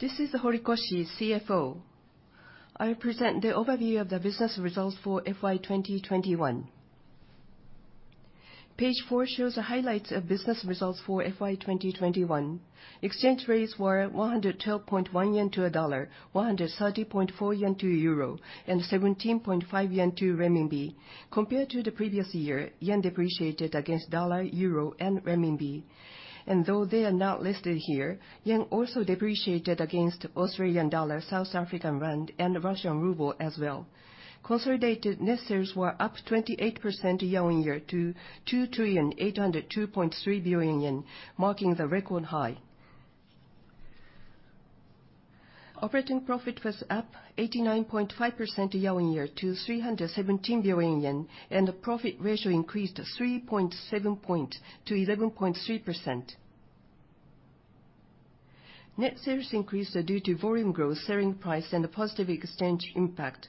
This is Horikoshi, CFO. I present the overview of the business results for FY2021. Page 4 shows the highlights of business results for FY2021. Exchange rates were 112.1 yen to a dollar, 130.4 yen to euro, and 17.5 yen to renminbi. Compared to the previous year, yen depreciated against dollar, euro, and renminbi. Though they are not listed here, yen also depreciated against Australian dollar, South African rand, and Russian ruble as well. Consolidated net sales were up 28% YoY to 2,802.3 billion yen, marking the record high. Operating profit was up 89.5% YoY to 317 billion yen, and the profit ratio increased 3.7 percentage points to 11.3%. Net sales increased due to volume growth, selling price, and the positive exchange impact.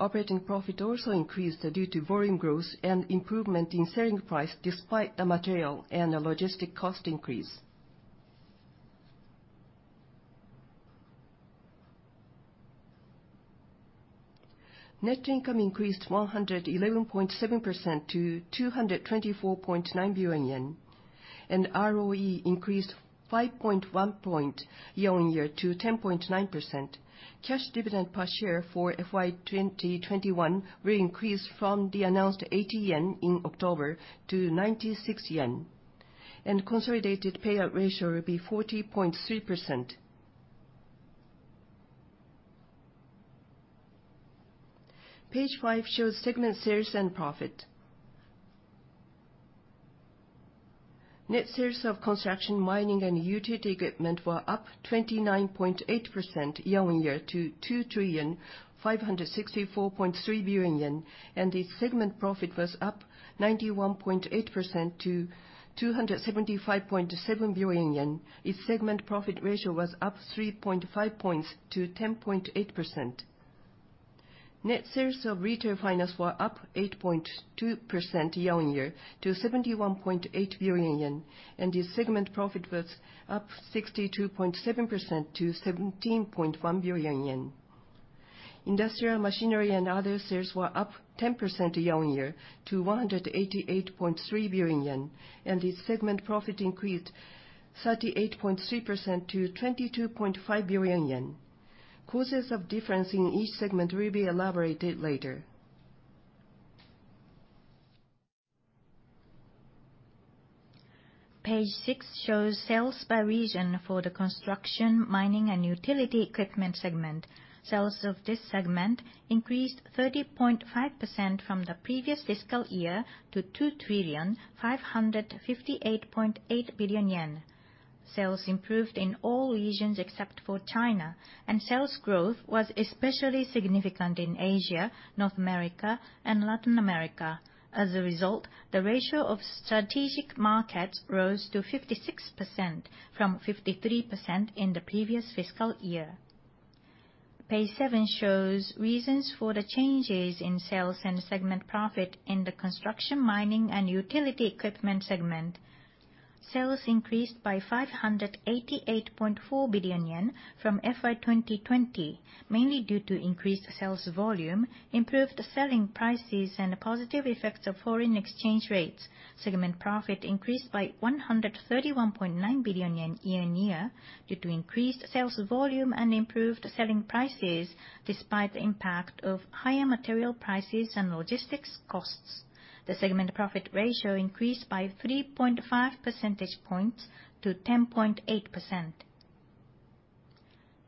Operating profit also increased due to volume growth and improvement in selling price despite the material and the logistics cost increase. Net income increased 111.7% to 224.9 billion yen, and ROE increased 5.1 points year-on-year to 10.9%. Cash dividend per share for FY2021 will increase from the announced 80 yen in October to 96 yen, and consolidated payout ratio will be 40.3%. Page five shows segment sales and profit. Net sales of construction, mining, and utility equipment were up 29.8% YoY to JPY 2,564.3 billion, and each segment profit was up 91.8% to 275.7 billion yen. Each segment profit ratio was up 3.5 points to 10.8%. Net sales of retail finance were up 8.2% YoY to 71.8 billion yen, and each segment profit was up 62.7% to 17.1 billion yen. Industrial machinery and other sales were up 10% YoY to 188.3 billion yen, and each segment profit increased 38.3% to 22.5 billion yen. Causes of difference in each segment will be elaborated later. Page six shows sales by region for the construction, mining, and utility equipment segment. Sales of this segment increased 30.5% from the previous fiscal year to 2,558.8 billion yen. Sales improved in all regions except for China, and sales growth was especially significant in Asia, North America, and Latin America. As a result, the ratio of strategic markets rose to 56% from 53% in the previous fiscal year. Page seven shows reasons for the changes in sales and segment profit in the construction, mining, and utility equipment segment. Sales increased by 588.4 billion yen from FY2020, mainly due to increased sales volume, improved selling prices, and positive effects of foreign exchange rates. Segment profit increased by 131.9 billion yen year-on-year due to increased sales volume and improved selling prices despite the impact of higher material prices and logistics costs. The segment profit ratio increased by 3.5 percentage points to 10.8%.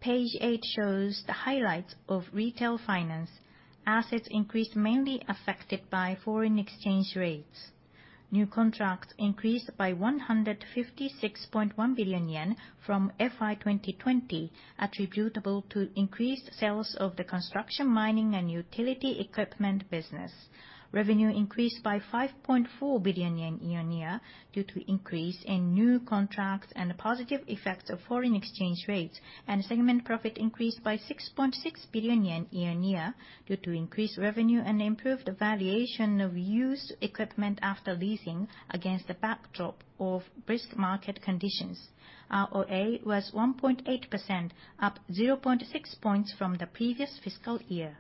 Page eight shows the highlights of retail finance. Assets increased, mainly affected by foreign exchange rates. New contracts increased by 156.1 billion yen from FY2020, attributable to increased sales of the construction, mining, and utility equipment business. Revenue increased by 5.4 billion yen year-on-year due to increase in new contracts and positive effects of foreign exchange rates. Segment profit increased by 6.6 billion yen year-on-year due to increased revenue and improved valuation of used equipment after leasing against the backdrop of brisk market conditions. ROA was 1.8%, up 0.6 points from the previous fiscal year.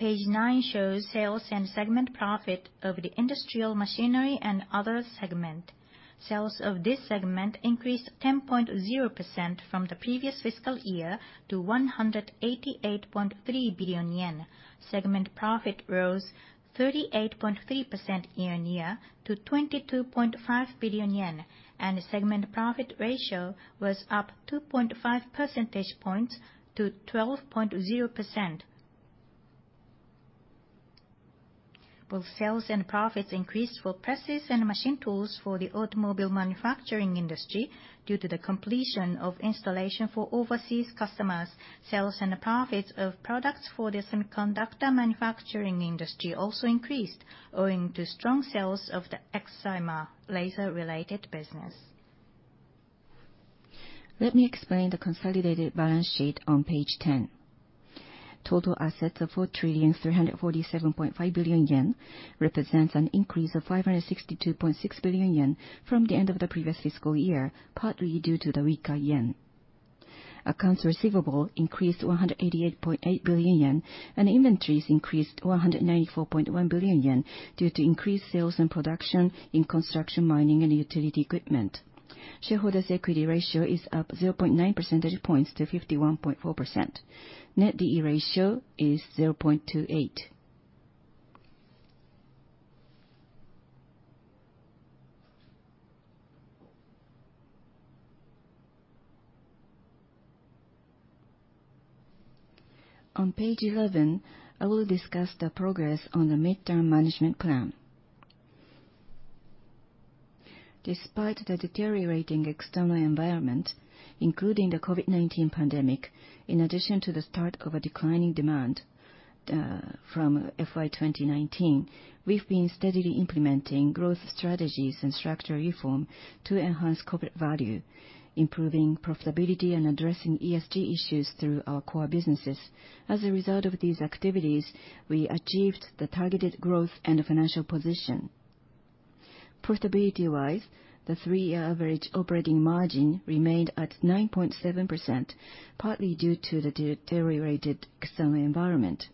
Page nine shows sales and segment profit of the industrial machinery and others segment. Sales of this segment increased 10.0% from the previous fiscal year to 188.3 billion yen. Segment profit rose 38.3% year-on-year to 22.5 billion yen, and the segment profit ratio was up 2.5 percentage points to 12.0%. Both sales and profits increased for presses and machine tools for the automobile manufacturing industry due to the completion of installation for overseas customers. Sales and profits of products for the semiconductor manufacturing industry also increased owing to strong sales of the excimer laser related business. Let me explain the consolidated balance sheet on page 10. Total assets of 4,347.5 billion yen represents an increase of 562.6 billion yen from the end of the previous fiscal year, partly due to the weaker yen. Accounts receivable increased 188.8 billion yen, and inventories increased 194.1 billion yen due to increased sales and production in construction, mining, and utility equipment. Shareholders' equity ratio is up 0.9 percentage points to 51.4%. Net D/E ratio is 0.28. On page 11, I will discuss the progress on the midterm management plan. Despite the deteriorating external environment, including the COVID-19 pandemic, in addition to the start of a declining demand from FY2019, we've been steadily implementing growth strategies and structural reform to enhance corporate value, improving profitability and addressing ESG issues through our core businesses. As a result of these activities, we achieved the targeted growth and financial position. Profitability-wise, the three-year average operating margin remained at 9.7%, partly due to the deteriorated external environment.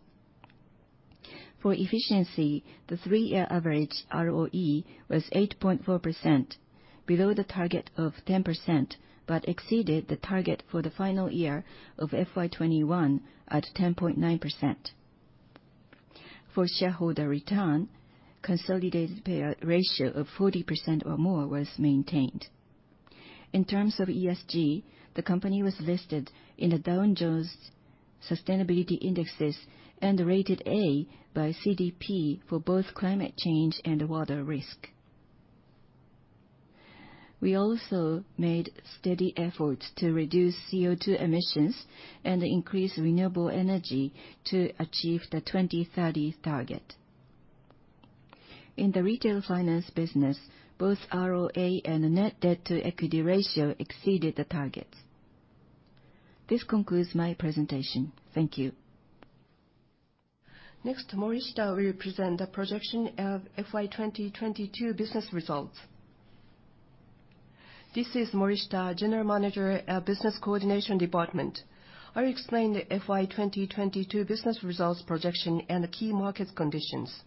For efficiency, the three-year average ROE was 8.4%, below the target of 10%, but exceeded the target for the final year of FY2021 at 10.9%. For shareholder return, consolidated payout ratio of 40% or more was maintained. In terms of ESG, the company was listed in the Dow Jones Sustainability Indices and rated A by CDP for both climate change and water risk. We also made steady efforts to reduce CO2 emissions and increase renewable energy to achieve the 2030 target. In the retail finance business, both ROA and net debt-to-equity ratio exceeded the target. This concludes my presentation. Thank you. Next, Morishita will present the projection of FY2022 business results. This is Morishita, General Manager at Business Coordination Department. I'll explain the FY2022 business results projection and the key market conditions.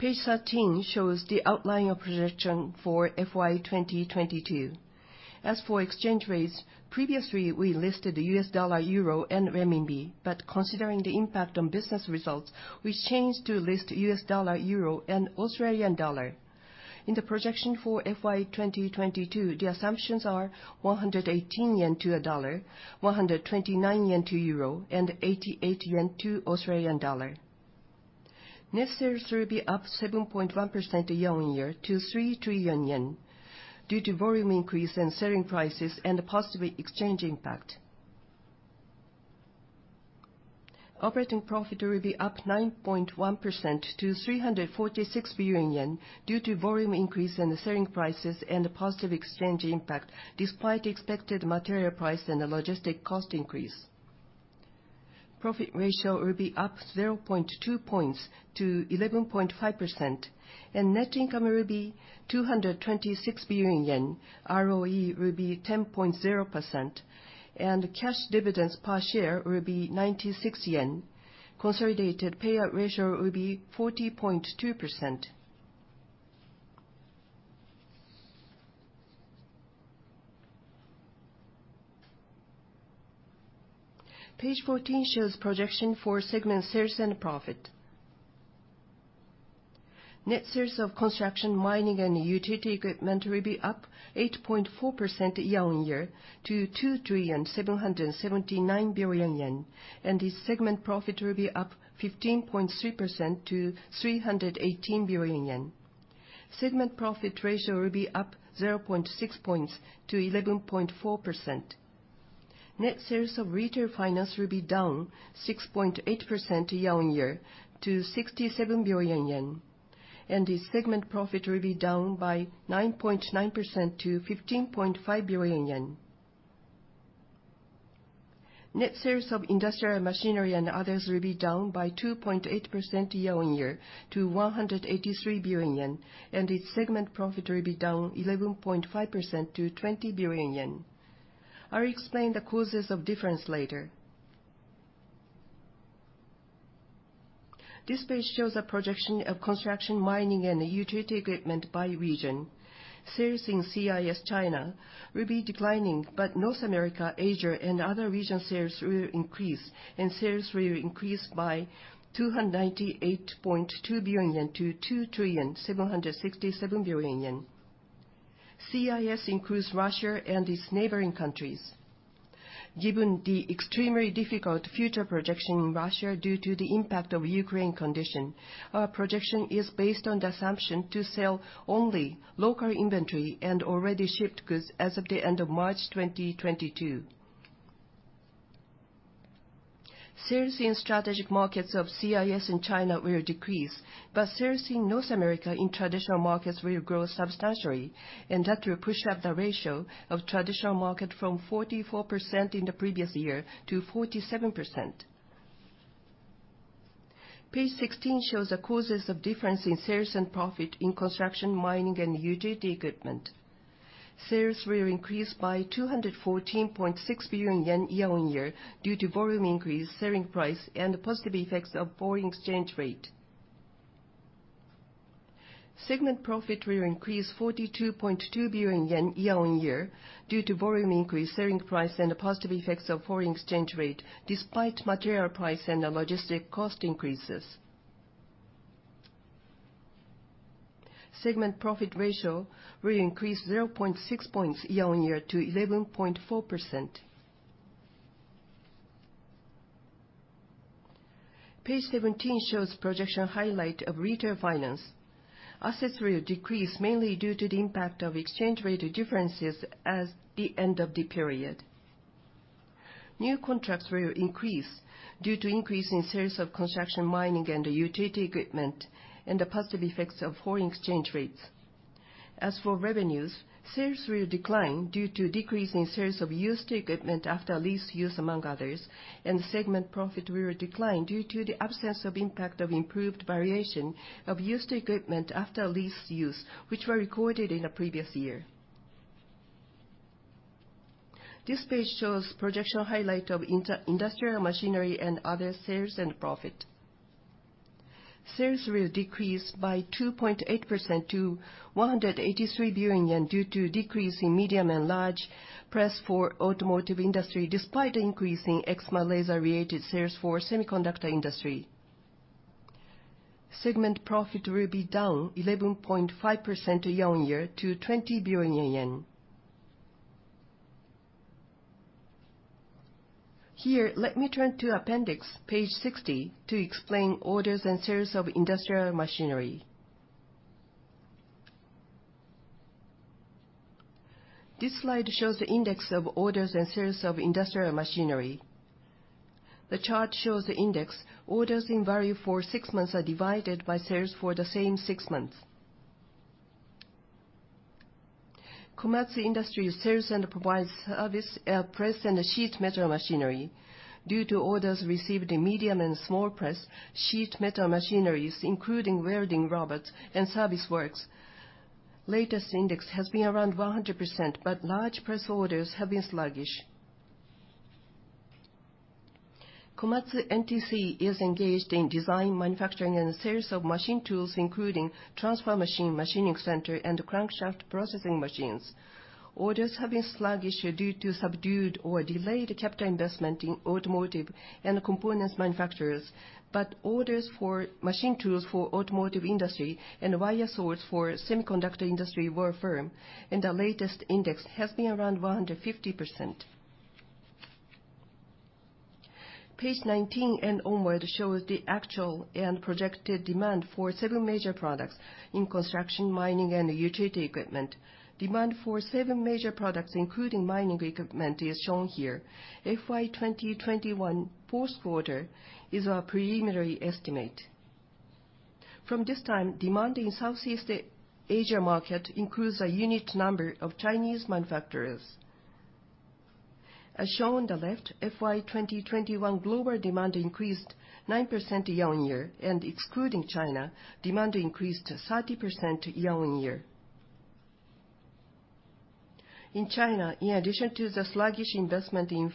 Page 13 shows the outline of projection for FY2022. As for exchange rates, previously we listed the U.S. dollar, euro, and renminbi. Considering the impact on business results, we changed to list U.S. dollar, euro, and Australian dollar. In the projection for FY2022, the assumptions are 118 yen to a dollar, 129 yen to euro, and 88 yen to Australian dollar. Net sales will be up 7.1% year-on-year to three trillion yen due to volume increase and selling prices and a positive exchange impact. Operating profit will be up 9.1% to 346 billion yen due to volume increase in the selling prices and a positive exchange impact despite expected material price and the logistic cost increase. Profit ratio will be up 0.2 points to 11.5%, and net income will be 226 billion yen. ROE will be 10.0%, and cash dividends per share will be 96 yen. Consolidated payout ratio will be 40.2%. Page 14 shows projection for segment sales and profit. Net sales of construction, mining, and utility equipment will be up 8.4% year-on-year to 2,779 billion yen, and this segment profit will be up 15.3% to 318 billion yen. Segment profit ratio will be up 0.6 points to 11.4%. Net sales of retail finance will be down 6.8% year-on-year to 67 billion yen, and this segment profit will be down by 9.9% to 15.5 billion yen. Net sales of industrial machinery and others will be down by 2.8% year-on-year to 183 billion yen, and its segment profit will be down 11.5% to 20 billion yen. I'll explain the causes of difference later. This page shows a projection of construction, mining, and utility equipment by region. Sales in CIS, China will be declining, but North America, Asia, and other region sales will increase, and sales will increase by 298.2 billion yen to 2,767 billion yen. CIS includes Russia and its neighboring countries. Given the extremely difficult future projection in Russia due to the impact of the situation in Ukraine, our projection is based on the assumption to sell only local inventory and already shipped goods as of the end of March 2022. Sales in strategic markets of CIS and China will decrease, but sales in North America in traditional markets will grow substantially, and that will push up the ratio of traditional markets from 44% in the previous year to 47%. Page 16 shows the causes of difference in sales and profit in construction, mining, and utility equipment. Sales will increase by 214.6 billion yen YoY due to volume increase, selling price, and the positive effects of foreign exchange rate. Segment profit will increase 42.2 billion yen year-over-year due to volume increase, selling price, and the positive effects of foreign exchange rate, despite material price and the logistic cost increases. Segment profit ratio will increase 0.6 points year-over-year to 11.4%. Page 17 shows projection highlight of retail finance. Assets will decrease mainly due to the impact of exchange rate differences at the end of the period. New contracts will increase due to increase in sales of construction, mining and utility equipment, and the positive effects of foreign exchange rates. As for revenues, sales will decline due to decrease in sales of used equipment after lease use, among others, and segment profit will decline due to the absence of impact of improved variation of used equipment after lease use, which were recorded in the previous year. This page shows projection highlight of industrial machinery and other sales and profit. Sales will decrease by 2.8% to 183 billion yen due to decrease in medium and large press for automotive industry, despite increase in excimer laser-related sales for semiconductor industry. Segment profit will be down 11.5% year-on-year to JPY 20 billion. Here, let me turn to appendix page 60 to explain orders and sales of industrial machinery. This slide shows the index of orders and sales of industrial machinery. The chart shows the index. Orders in value for six months are divided by sales for the same six months. Komatsu Industries sells and provides service, press and sheet metal machinery. Due to orders received in medium and small press, sheet metal machineries, including welding robots and service works, latest index has been around 100%, but large press orders have been sluggish. Komatsu NTC is engaged in design, manufacturing, and sales of machine tools, including transfer machine, machining center, and crankshaft processing machines. Orders have been sluggish due to subdued or delayed capital investment in automotive and components manufacturers, but orders for machine tools for automotive industry and wire saw for semiconductor industry were firm, and the latest index has been around 150%. Page 19 and onward shows the actual and projected demand for seven major products in construction, mining, and utility equipment. Demand for seven major products, including mining equipment, is shown here. FY2021 fourth quarter is our preliminary estimate. From this time, demand in Southeast Asia market includes a unit number of Chinese manufacturers. As shown on the left, FY2021 global demand increased 9% year-on-year, and excluding China, demand increased 30% year-on-year. In China, in addition to the sluggish investment in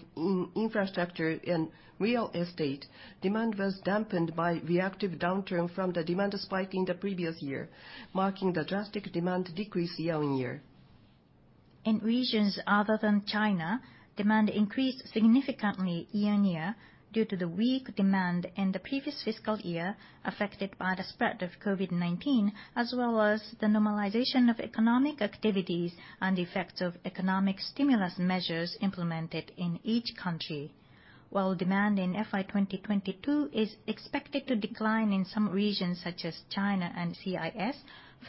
infrastructure and real estate, demand was dampened by reactive downturn from the demand spike in the previous year, marking the drastic demand decrease year-on-year. In regions other than China, demand increased significantly year-over-year due to the weak demand in the previous fiscal year, affected by the spread of COVID-19, as well as the normalization of economic activities and the effects of economic stimulus measures implemented in each country. While demand in FY2022 is expected to decline in some regions such as China and CIS,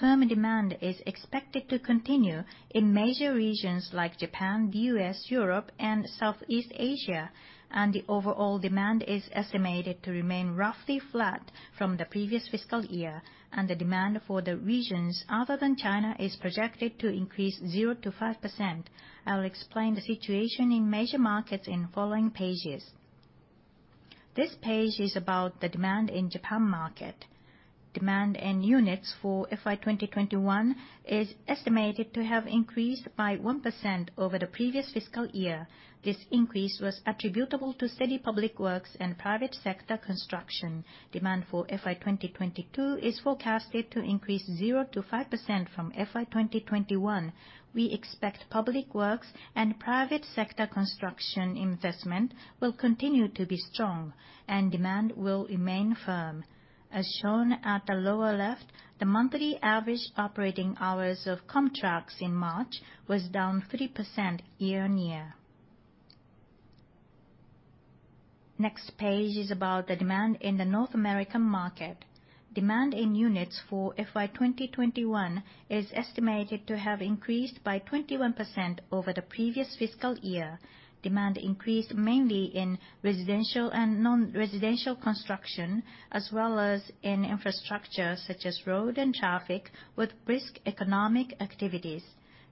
firm demand is expected to continue in major regions like Japan, U.S., Europe and Southeast Asia, and the overall demand is estimated to remain roughly flat from the previous fiscal year, and the demand for the regions other than China is projected to increase 0%-5%. I'll explain the situation in major markets in following pages. This page is about the demand in Japan market. Demand in units for FY2021 is estimated to have increased by 1% over the previous fiscal year. This increase was attributable to steady public works and private sector construction. Demand for FY2022 is forecasted to increase 0%-5% from FY2021. We expect public works and private sector construction investment will continue to be strong and demand will remain firm. As shown at the lower left, the monthly average operating hours of KOMTRAX in March was down 3% YoY. Next page is about the demand in the North American market. Demand in units for FY2021 is estimated to have increased by 21% over the previous fiscal year. Demand increased mainly in residential and non-residential construction, as well as in infrastructure such as road and traffic with brisk economic activities.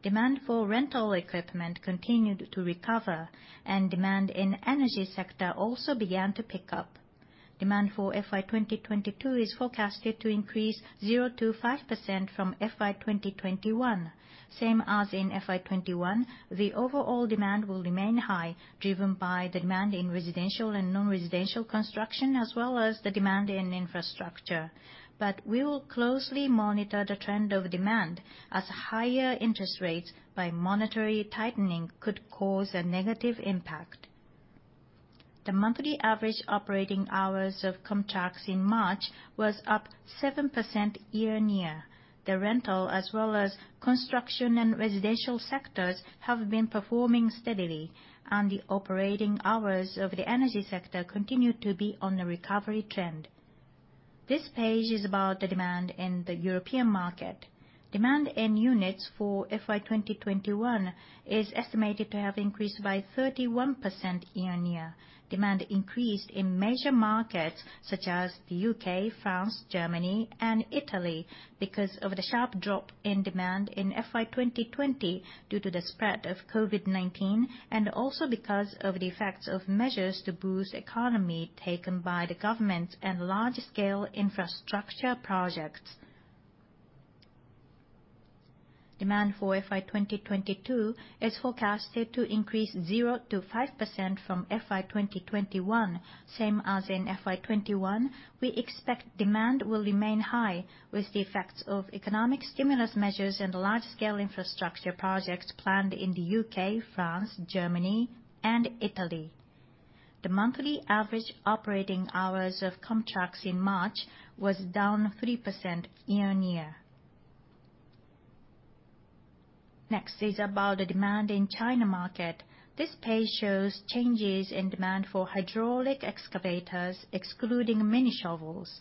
Demand for rental equipment continued to recover, and demand in energy sector also began to pick up. Demand for FY2022 is forecasted to increase 0%-5% from FY2021. Same as in FY2021, the overall demand will remain high, driven by the demand in residential and non-residential construction, as well as the demand in infrastructure. We will closely monitor the trend of demand, as higher interest rates by monetary tightening could cause a negative impact. The monthly average operating hours of KOMTRAX in March was up 7% year-over-year. The rental, as well as construction and residential sectors, have been performing steadily, and the operating hours of the energy sector continue to be on a recovery trend. This page is about the demand in the European market. Demand in units for FY2021 is estimated to have increased by 31% year-over-year. Demand increased in major markets such as the U.K, France, Germany, and Italy because of the sharp drop in demand in FY2020 due to the spread of COVID-19, and also because of the effects of measures to boost economy taken by the governments and large-scale infrastructure projects. Demand for FY2022 is forecasted to increase 0%-5% from FY2021. Same as in FY2021, we expect demand will remain high with the effects of economic stimulus measures and large-scale infrastructure projects planned in the UK, France, Germany, and Italy. The monthly average operating hours of KOMTRAX in March was down 3% year-on-year. Next is about the demand in China market. This page shows changes in demand for hydraulic excavators, excluding mini shovels.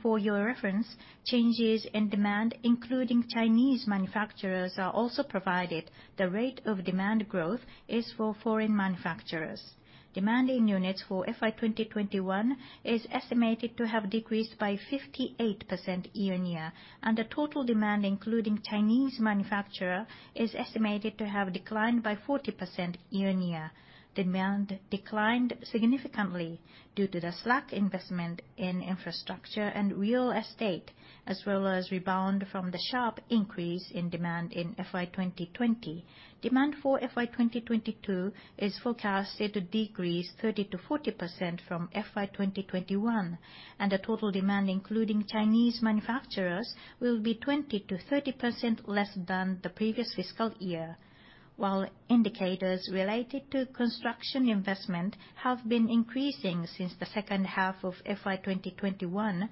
For your reference, changes in demand, including Chinese manufacturers, are also provided. The rate of demand growth is for foreign manufacturers. Demand in units for FY2021 is estimated to have decreased by 58% year-on-year, and the total demand, including Chinese manufacturer, is estimated to have declined by 40% year-on-year. Demand declined significantly due to the slack investment in infrastructure and real estate, as well as rebound from the sharp increase in demand in FY2020. Demand for FY2022 is forecasted to decrease 30%-40% from FY2021, and the total demand, including Chinese manufacturers, will be 20%-30% less than the previous fiscal year. While indicators related to construction investment have been increasing since the second half of FY2021,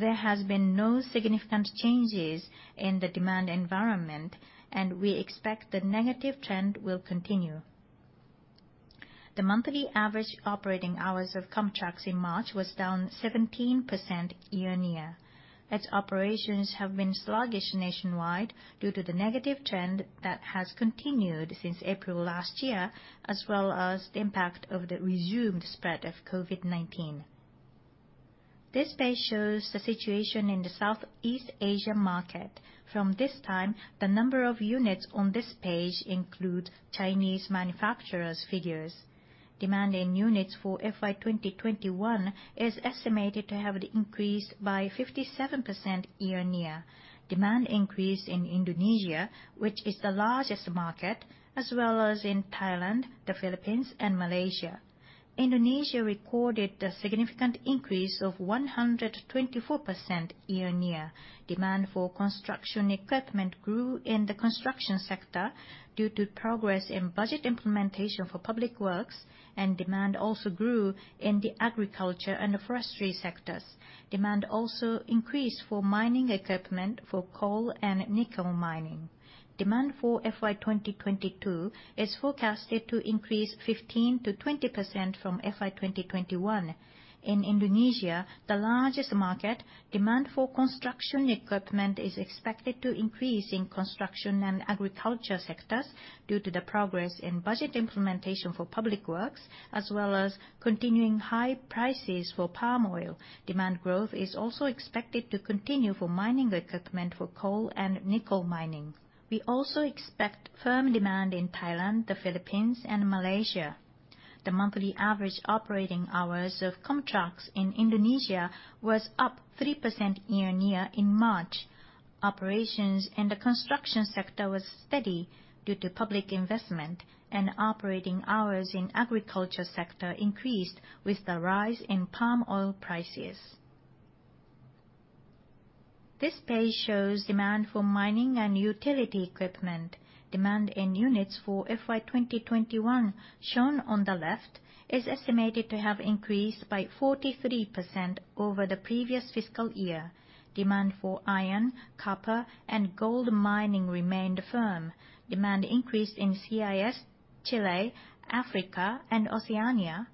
there has been no significant changes in the demand environment, and we expect the negative trend will continue. The monthly average operating hours of KOMTRAX in March was down 17% year-on-year. Its operations have been sluggish nationwide due to the negative trend that has continued since April last year, as well as the impact of the resumed spread of COVID-19. This page shows the situation in the Southeast Asia market. From this time, the number of units on this page include Chinese manufacturers' figures. Demand in units for FY2021 is estimated to have increased by 57% year-on-year. Demand increased in Indonesia, which is the largest market, as well as in Thailand, the Philippines, and Malaysia. Indonesia recorded a significant increase of 124% year-on-year. Demand for construction equipment grew in the construction sector due to progress in budget implementation for public works, and demand also grew in the agriculture and forestry sectors. Demand also increased for mining equipment for coal and nickel mining. Demand for FY2022 is forecasted to increase 15%-20% from FY2021. In Indonesia, the largest market, demand for construction equipment is expected to increase in construction and agriculture sectors due to the progress in budget implementation for public works, as well as continuing high prices for palm oil. Demand growth is also expected to continue for mining equipment for coal and nickel mining. We also expect firm demand in Thailand, the Philippines, and Malaysia. The monthly average operating hours of KOMTRAX in Indonesia was up 3% year-on-year in March. Operations in the construction sector was steady due to public investment, and operating hours in agriculture sector increased with the rise in palm oil prices. This page shows demand for mining and utility equipment. Demand in units for FY2021, shown on the left, is estimated to have increased by 43% over the previous fiscal year. Demand for iron, copper, and gold mining remained firm. Demand increased in CIS. Chile, Africa, and Oceania,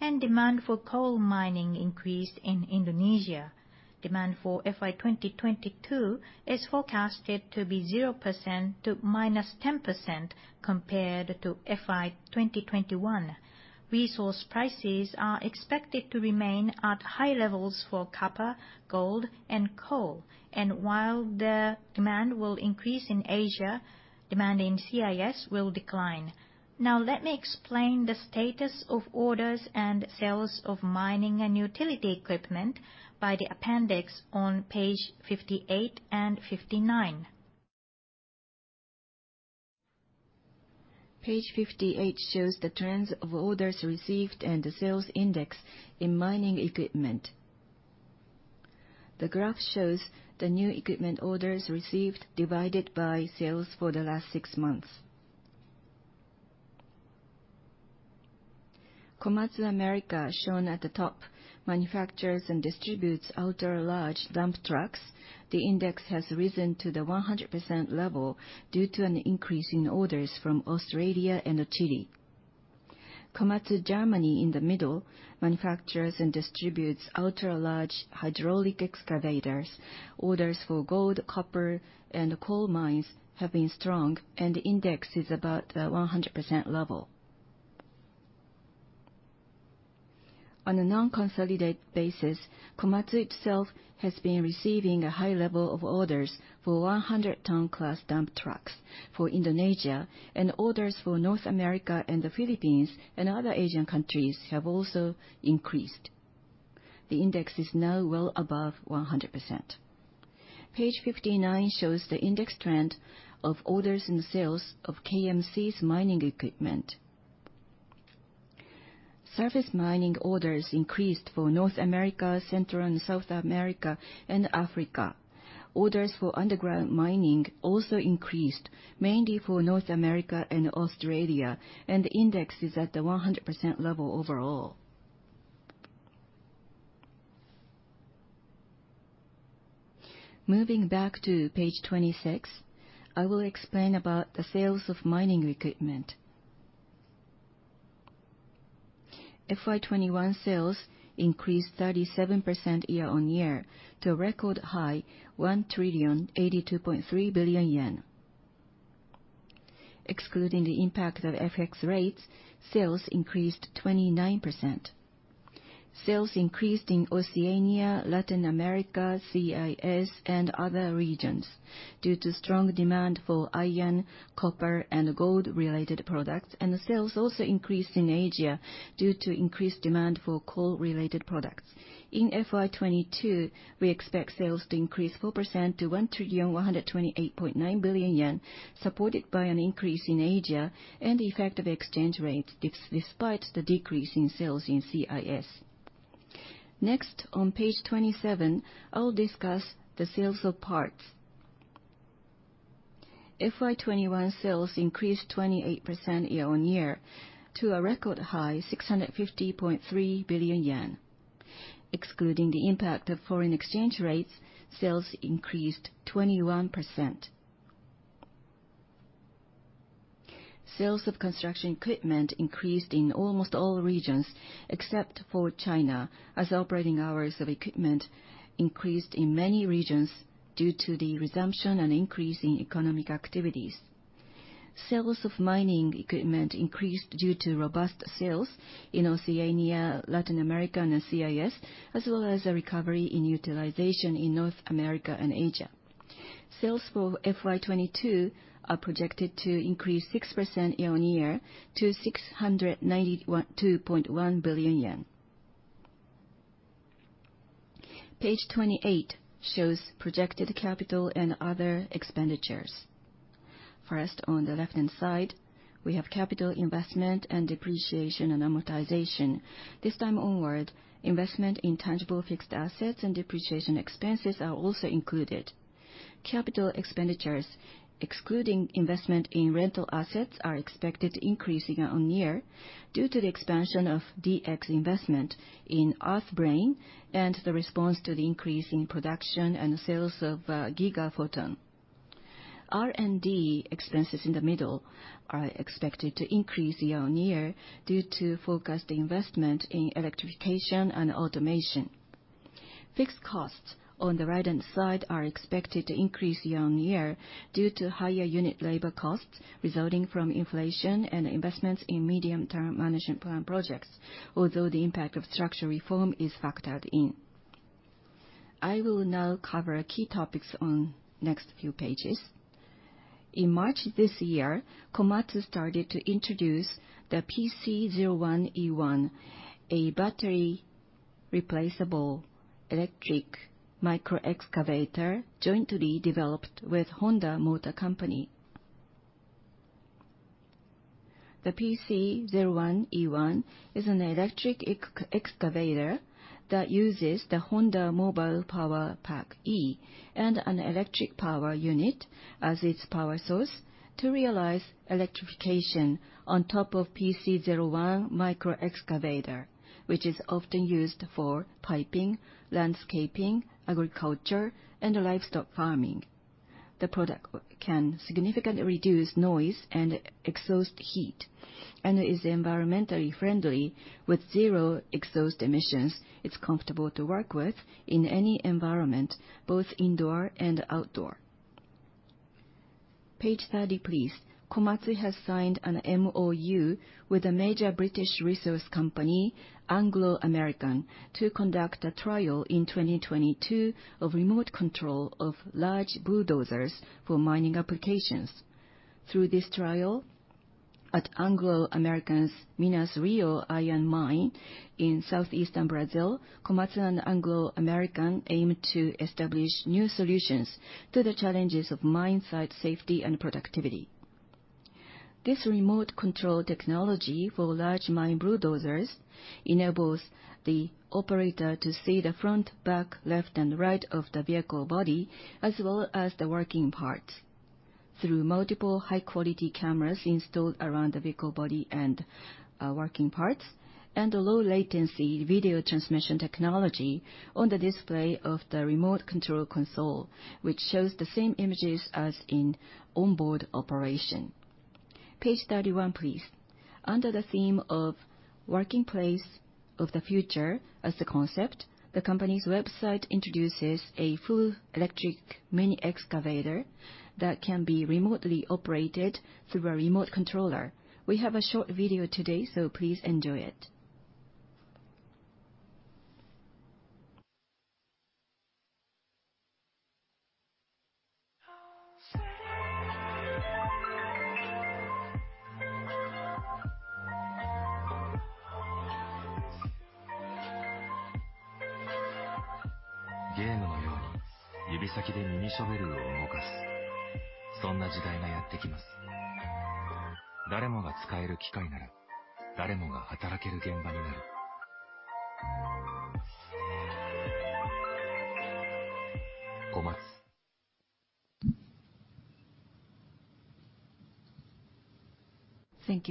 and demand for coal mining increased in Indonesia. Demand for FY2022 is forecasted to be 0% to -10% compared to FY2021. Resource prices are expected to remain at high levels for copper, gold, and coal. While the demand will increase in Asia, demand in CIS will decline. Now let me explain the status of orders and sales of mining and utility equipment by the appendix on page 58 and 59. Page 58 shows the trends of orders received and the sales index in mining equipment. The graph shows the new equipment orders received divided by sales for the last six months. Komatsu America, shown at the top, manufactures and distributes ultra-large dump trucks. The index has risen to the 100% level due to an increase in orders from Australia and Chile. Komatsu Germany, in the middle, manufactures and distributes ultra-large hydraulic excavators. Orders for gold, copper, and coal mines have been strong, and the index is about 100% level. On a non-consolidated basis, Komatsu itself has been receiving a high level of orders for 100-ton class dump trucks for Indonesia, and orders for North America and the Philippines and other Asian countries have also increased. The index is now well above 100%. Page 59 shows the index trend of orders and sales of KMC's mining equipment. Surface mining orders increased for North America, Central and South America, and Africa. Orders for underground mining also increased, mainly for North America and Australia, and the index is at the 100% level overall. Moving back to page 26, I will explain about the sales of mining equipment. FY2021 sales increased 37% year-on-year to a record high 1,082.3 billion yen. Excluding the impact of FX rates, sales increased 29%. Sales increased in Oceania, Latin America, CIS, and other regions due to strong demand for iron, copper, and gold-related products. The sales also increased in Asia due to increased demand for coal-related products. In FY2022, we expect sales to increase 4% to 1,128.9 billion yen, supported by an increase in Asia and effective exchange rate despite the decrease in sales in CIS. Next, on page 27, I will discuss the sales of parts. FY2021 sales increased 28% year-on-year to a record high 650.3 billion yen. Excluding the impact of foreign exchange rates, sales increased 21%. Sales of construction equipment increased in almost all regions except for China, as operating hours of equipment increased in many regions due to the resumption and increase in economic activities. Sales of mining equipment increased due to robust sales in Oceania, Latin America, and the CIS, as well as a recovery in utilization in North America and Asia. Sales for FY22 are projected to increase 6% year-on-year to JPY 2.1 billion. Page 28 shows projected capital and other expenditures. First, on the left-hand side, we have capital investment and depreciation and amortization. This time onward, investment in tangible fixed assets and depreciation expenses are also included. Capital expenditures, excluding investment in rental assets, are expected to increase year-on-year due to the expansion of DX investment in EARTHBRAIN and the response to the increase in production and sales of Gigaphoton. R&D expenses in the middle are expected to increase year-on-year due to forecast investment in electrification and automation. Fixed costs on the right-hand side are expected to increase year-on-year due to higher unit labor costs resulting from inflation and investments in mid-term management plan projects, although the impact of structural reform is factored in. I will now cover key topics on next few pages. In March this year, Komatsu started to introduce the PC01E1, a battery replaceable electric micro excavator jointly developed with Honda Motor Co., Ltd. The PC01E1 is an electric excavator that uses the Honda Mobile Power Pack e and an electric power unit as its power source to realize electrification on top of PC01 micro excavator, which is often used for piping, landscaping, agriculture, and livestock farming. The product can significantly reduce noise and exhaust heat, and is environmentally friendly with zero exhaust emissions. It's comfortable to work with in any environment, both indoor and outdoor. Page 30, please. Komatsu has signed an MOU with a major British resource company, Anglo American, to conduct a trial in 2022 of remote control of large bulldozers for mining applications. Through this trial at Anglo American's Minas Rio iron mine in southeastern Brazil, Komatsu and Anglo American aim to establish new solutions to the challenges of mine site safety and productivity. This remote control technology for large mine bulldozers enables the operator to see the front, back, left, and right of the vehicle body, as well as the working parts through multiple high-quality cameras installed around the vehicle body and working parts, and a low latency video transmission technology on the display of the remote control console, which shows the same images as in onboard operation. Page 31, please. Under the theme of working place of the future as the concept, the company's website introduces a full electric mini excavator that can be remotely operated through a remote controller. We have a short video today, so please enjoy it. Thank you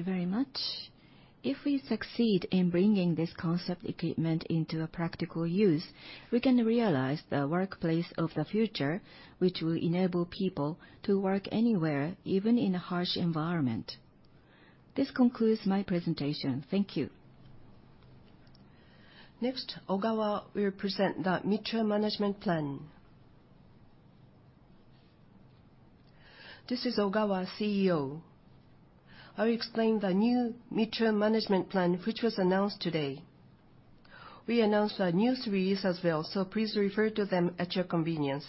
very much. If we succeed in bringing this concept equipment into a practical use, we can realize the workplace of the future, which will enable people to work anywhere, even in a harsh environment. This concludes my presentation. Thank you. Next, Ogawa will present the mid-term management plan. This is Ogawa, CEO. I'll explain the new mid-term management plan, which was announced today. We announced our new series as well, so please refer to them at your convenience.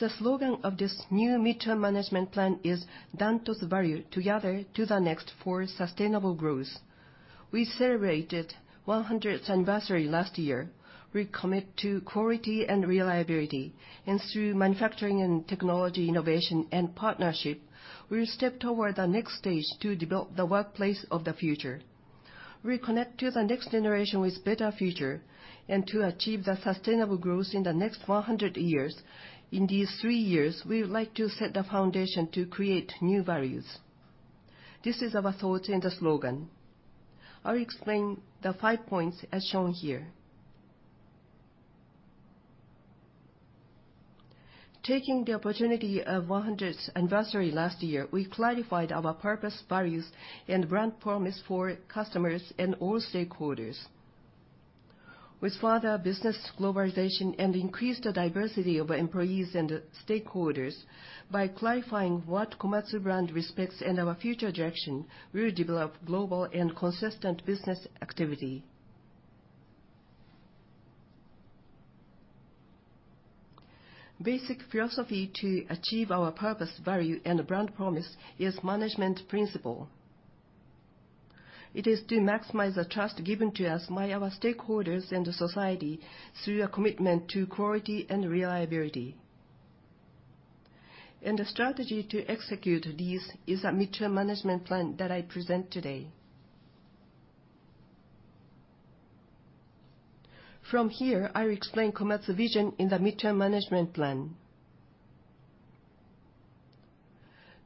The slogan of this new mid-term management plan is DANTOTSU Value, together to the next for sustainable growth. We celebrated 100th anniversary last year. We commit to quality and reliability and through manufacturing and technology innovation and partnership, we will step toward the next stage to develop the workplace of the future. We connect to the next generation with better future and to achieve the sustainable growth in the next 100 years. In these three years, we would like to set the foundation to create new values. This is our thought in the slogan. I'll explain the five points as shown here. Taking the opportunity of 100th anniversary last year, we clarified our purpose, values, and brand promise for customers and all stakeholders. With further business globalization and increased diversity of employees and stakeholders, by clarifying what Komatsu brand respects and our future direction, we will develop global and consistent business activity. Basic philosophy to achieve our purpose, value, and brand promise is management principle. It is to maximize the trust given to us by our stakeholders and the society through a commitment to quality and reliability. The strategy to execute this is a mid-term management plan that I present today. From here, I'll explain Komatsu vision in the mid-term management plan.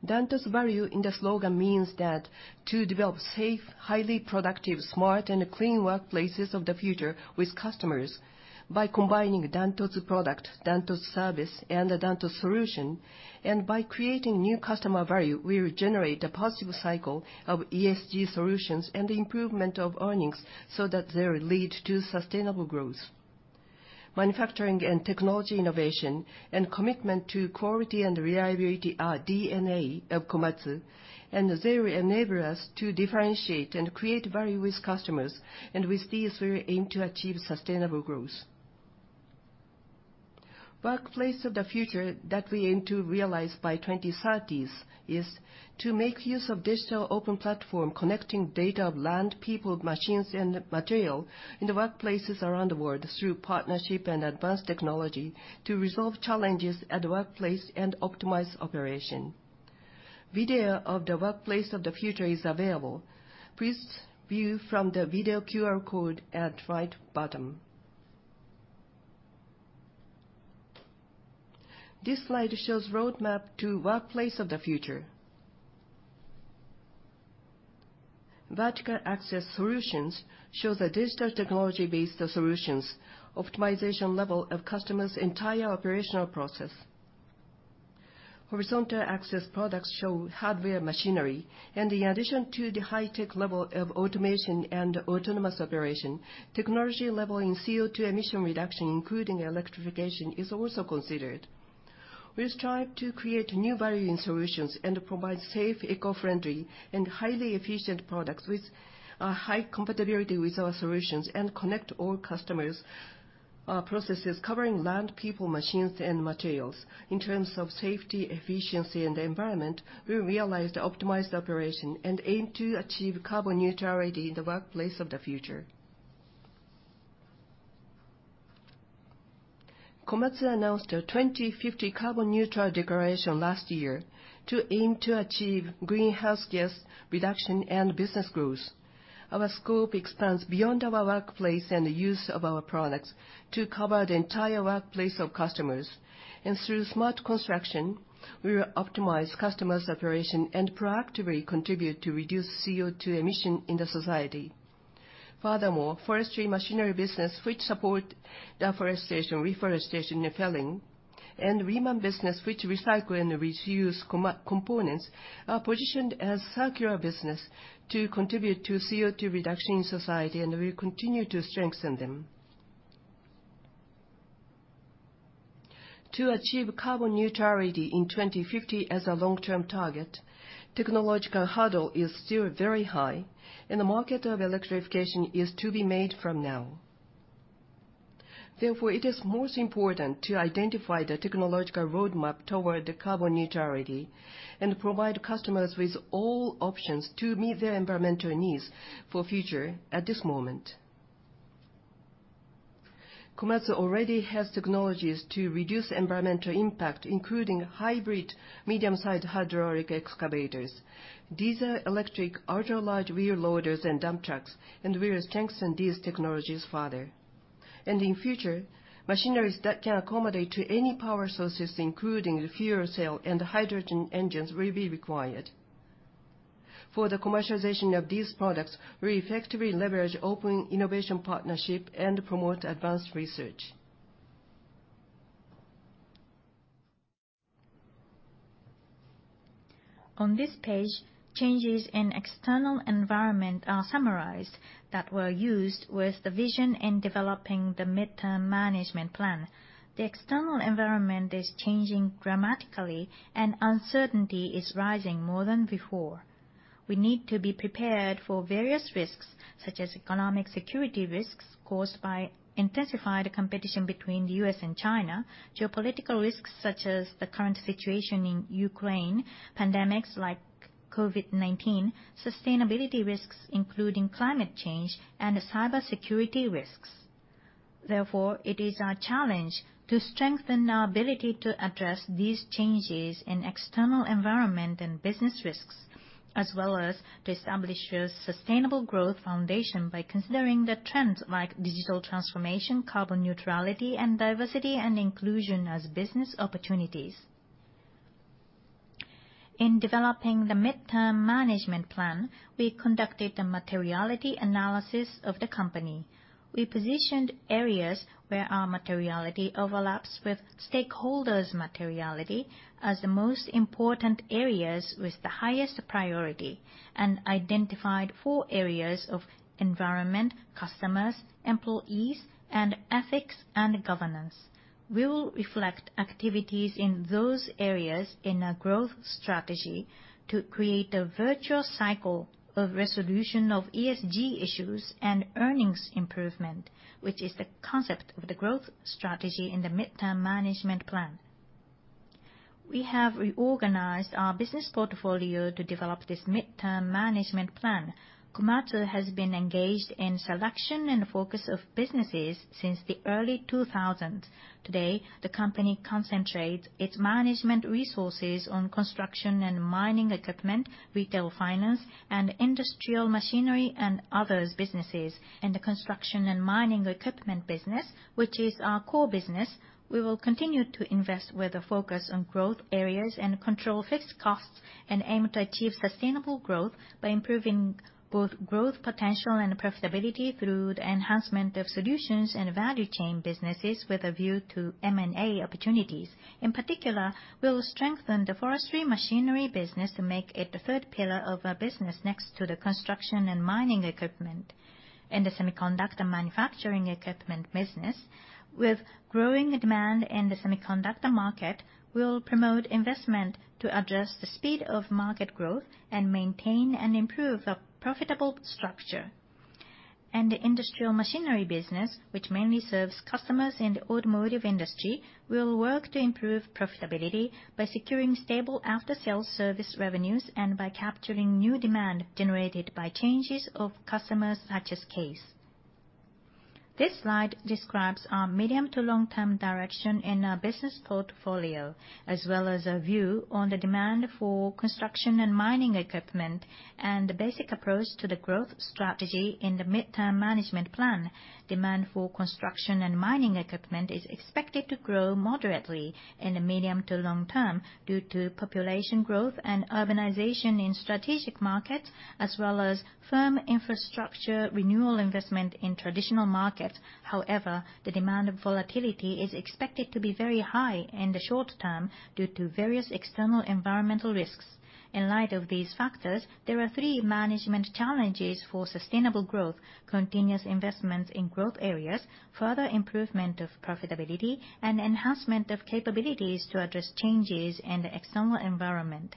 DANTOTSU Value in the slogan means that to develop safe, highly productive, smart, and clean workplaces of the future with customers by combining DANTOTSU product, DANTOTSU service, and the DANTOTSU solution, and by creating new customer value, we will generate a positive cycle of ESG solutions and the improvement of earnings so that they will lead to sustainable growth. Manufacturing and technology innovation and commitment to quality and reliability are DNA of Komatsu, and they will enable us to differentiate and create value with customers. With this, we will aim to achieve sustainable growth. Workplace of the future that we aim to realize by 2030s is to make use of digital open platform, connecting data of land, people, machines, and material in the workplaces around the world through partnership and advanced technology to resolve challenges at the workplace and optimize operation. Video of the workplace of the future is available. Please view from the video QR code at right bottom. This slide shows roadmap to workplace of the future. Vertical access solutions shows a digital technology-based solutions, optimization level of customers' entire operational process. Horizontal access products show hardware machinery, and in addition to the high-tech level of automation and autonomous operation, technology level in CO2 emission reduction, including electrification, is also considered. We strive to create new value in solutions and provide safe, eco-friendly, and highly efficient products with high compatibility with our solutions and connect all customers' processes covering land, people, machines, and materials. In terms of safety, efficiency, and the environment, we realize the optimized operation and aim to achieve carbon neutrality in the workplace of the future. Komatsu announced a 2050 carbon neutral declaration last year to aim to achieve greenhouse gas reduction and business growth. Our scope expands beyond our workplace and the use of our products to cover the entire workplace of customers. Through Smart Construction, we will optimize customers' operation and proactively contribute to reduce CO2 emission in the society. Furthermore, forestry machinery business which support deforestation, reforestation, and felling, and Reman business which recycle and reuse Komatsu components, are positioned as circular business to contribute to CO2 reduction in society, and we continue to strengthen them. To achieve carbon neutrality in 2050 as a long-term target, technological hurdle is still very high, and the market of electrification is to be made from now. Therefore, it is most important to identify the technological roadmap toward the carbon neutrality and provide customers with all options to meet their environmental needs for future at this moment. Komatsu already has technologies to reduce environmental impact, including hybrid medium-sized hydraulic excavators, diesel electric ultra-large wheel loaders and dump trucks, and we will strengthen these technologies further. In future, machineries that can accommodate to any power sources, including fuel cell and hydrogen engines, will be required. For the commercialization of these products, we effectively leverage open innovation partnership and promote advanced research. On this page, changes in external environment are summarized that were used with the vision in developing the midterm management plan. The external environment is changing dramatically and uncertainty is rising more than before. We need to be prepared for various risks, such as economic security risks caused by intensified competition between the U.S. and China, geopolitical risks such as the current situation in Ukraine, pandemics like COVID-19, sustainability risks including climate change, and cybersecurity risks. Therefore, it is our challenge to strengthen our ability to address these changes in external environment and business risks, as well as to establish a sustainable growth foundation by considering the trends like digital transformation, carbon neutrality, and diversity and inclusion as business opportunities. In developing the midterm management plan, we conducted a materiality analysis of the company. We positioned areas where our materiality overlaps with stakeholders' materiality as the most important areas with the highest priority and identified four areas of environment, customers, employees, and ethics and governance. We will reflect activities in those areas in our growth strategy to create a virtual cycle of resolution of ESG issues and earnings improvement, which is the concept of the growth strategy in the mid-term management plan. We have reorganized our business portfolio to develop this mid-term management plan. Komatsu has been engaged in selection and focus of businesses since the early 2000s. Today, the company concentrates its management resources on construction and mining equipment, retail finance, and industrial machinery and others businesses. In the construction and mining equipment business, which is our core business, we will continue to invest with a focus on growth areas and control fixed costs and aim to achieve sustainable growth by improving both growth potential and profitability through the enhancement of solutions and value chain businesses with a view to M&A opportunities. In particular, we'll strengthen the forestry machinery business to make it the third pillar of our business next to the construction and mining equipment. In the semiconductor manufacturing equipment business, with growing demand in the semiconductor market, we'll promote investment to address the speed of market growth and maintain and improve the profit structure. In the industrial machinery business, which mainly serves customers in the automotive industry, we will work to improve profitability by securing stable after-sales service revenues and by capturing new demand generated by changes of customers' business case. This slide describes our medium to long-term direction in our business portfolio, as well as a view on the demand for construction and mining equipment, and the basic approach to the growth strategy in the mid-term management plan. Demand for construction and mining equipment is expected to grow moderately in the medium to long term due to population growth and urbanization in strategic markets, as well as firm infrastructure renewal investment in Traditional Markets. However, the demand volatility is expected to be very high in the short term due to various external environmental risks. In light of these factors, there are three management challenges for sustainable growth. Continuous investments in growth areas, further improvement of profitability, and enhancement of capabilities to address changes in the external environment.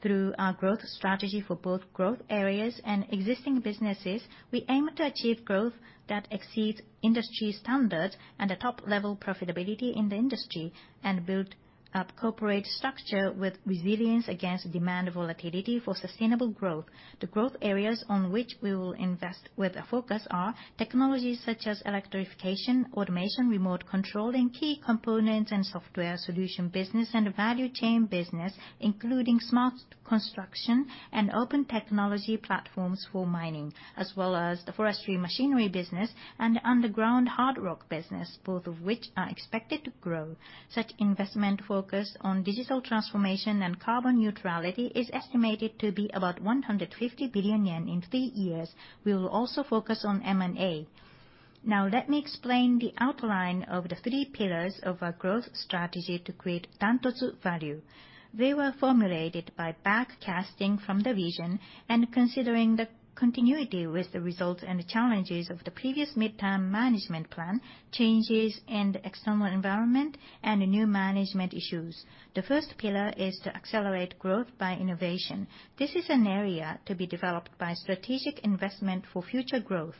Through our growth strategy for both growth areas and existing businesses, we aim to achieve growth that exceeds industry standards and a top-level profitability in the industry, and build up corporate structure with resilience against demand volatility for sustainable growth. The growth areas on which we will invest with a focus are technologies such as electrification, automation, remote control, and key components and software solution business, and value chain business, including Smart Construction and open-technology platforms for mining, as well as the forestry machinery business and underground hard rock business, both of which are expected to grow. Such investment focus on digital transformation and carbon neutrality is estimated to be about 150 billion yen in three years. We will also focus on M&A. Now let me explain the outline of the three pillars of our growth strategy to create DANTOTSU Value. They were formulated by backcasting from the vision and considering the continuity with the results and the challenges of the previous mid-term management plan, changes in the external environment, and the new management issues. The first pillar is to accelerate growth by innovation. This is an area to be developed by strategic investment for future growth.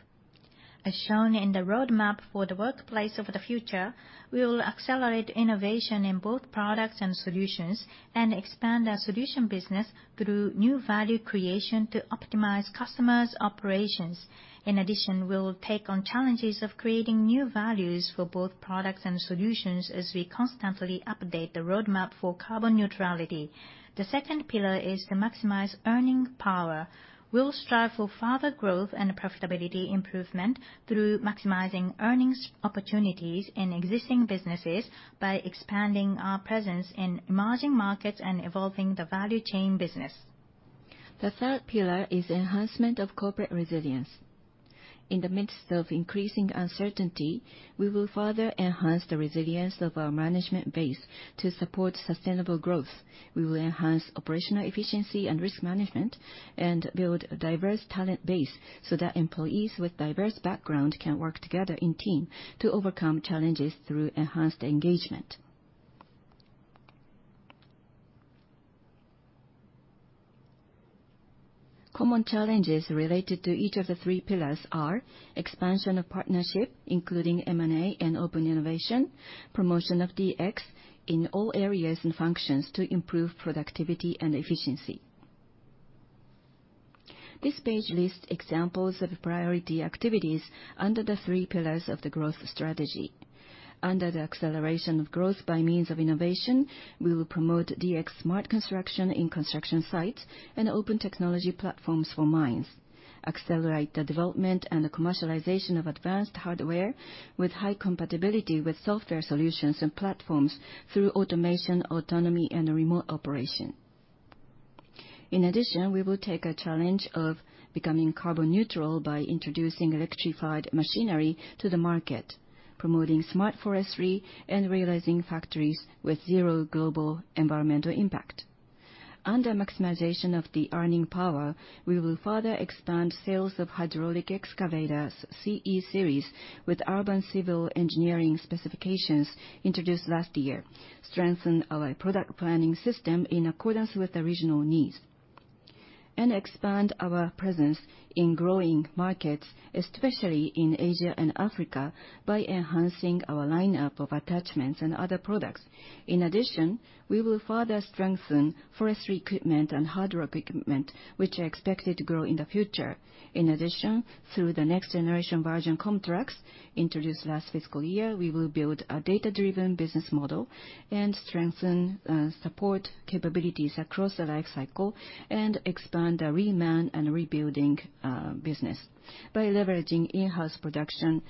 As shown in the roadmap for the workplace of the future, we will accelerate innovation in both products and solutions, and expand our solution business through new value creation to optimize customers' operations. In addition, we'll take on challenges of creating new values for both products and solutions as we constantly update the roadmap for carbon neutrality. The second pillar is to maximize earning power. We'll strive for further growth and profitability improvement through maximizing earnings opportunities in existing businesses by expanding our presence in emerging markets and evolving the value chain business. The third pillar is enhancement of corporate resilience. In the midst of increasing uncertainty, we will further enhance the resilience of our management base to support sustainable growth. We will enhance operational efficiency and risk management and build a diverse talent base so that employees with diverse background can work together in team to overcome challenges through enhanced engagement. Common challenges related to each of the three pillars are expansion of partnership, including M&A and open innovation, promotion of DX in all areas and functions to improve productivity and efficiency. This page lists examples of priority activities under the three pillars of the growth strategy. Under the acceleration of growth by means of innovation, we will promote DX Smart Construction in construction sites and open-technology platforms for mines, accelerate the development and the commercialization of advanced hardware with high compatibility with software solutions and platforms through automation, autonomy, and remote operation. In addition, we will take a challenge of becoming carbon neutral by introducing electrified machinery to the market, promoting Smart Forestry, and realizing factories with zero global environmental impact. Under maximization of the earning power, we will further expand sales of hydraulic excavators CE series with urban civil engineering specifications introduced last year, strengthen our product planning system in accordance with the regional needs, and expand our presence in growing markets, especially in Asia and Africa, by enhancing our lineup of attachments and other products. In addition, we will further strengthen forestry equipment and hard rock equipment, which are expected to grow in the future. In addition, through the next-generation version KOMTRAX, introduced last fiscal year, we will build a data-driven business model and strengthen support capabilities across the life cycle and expand the Reman and rebuilding business by leveraging in-house production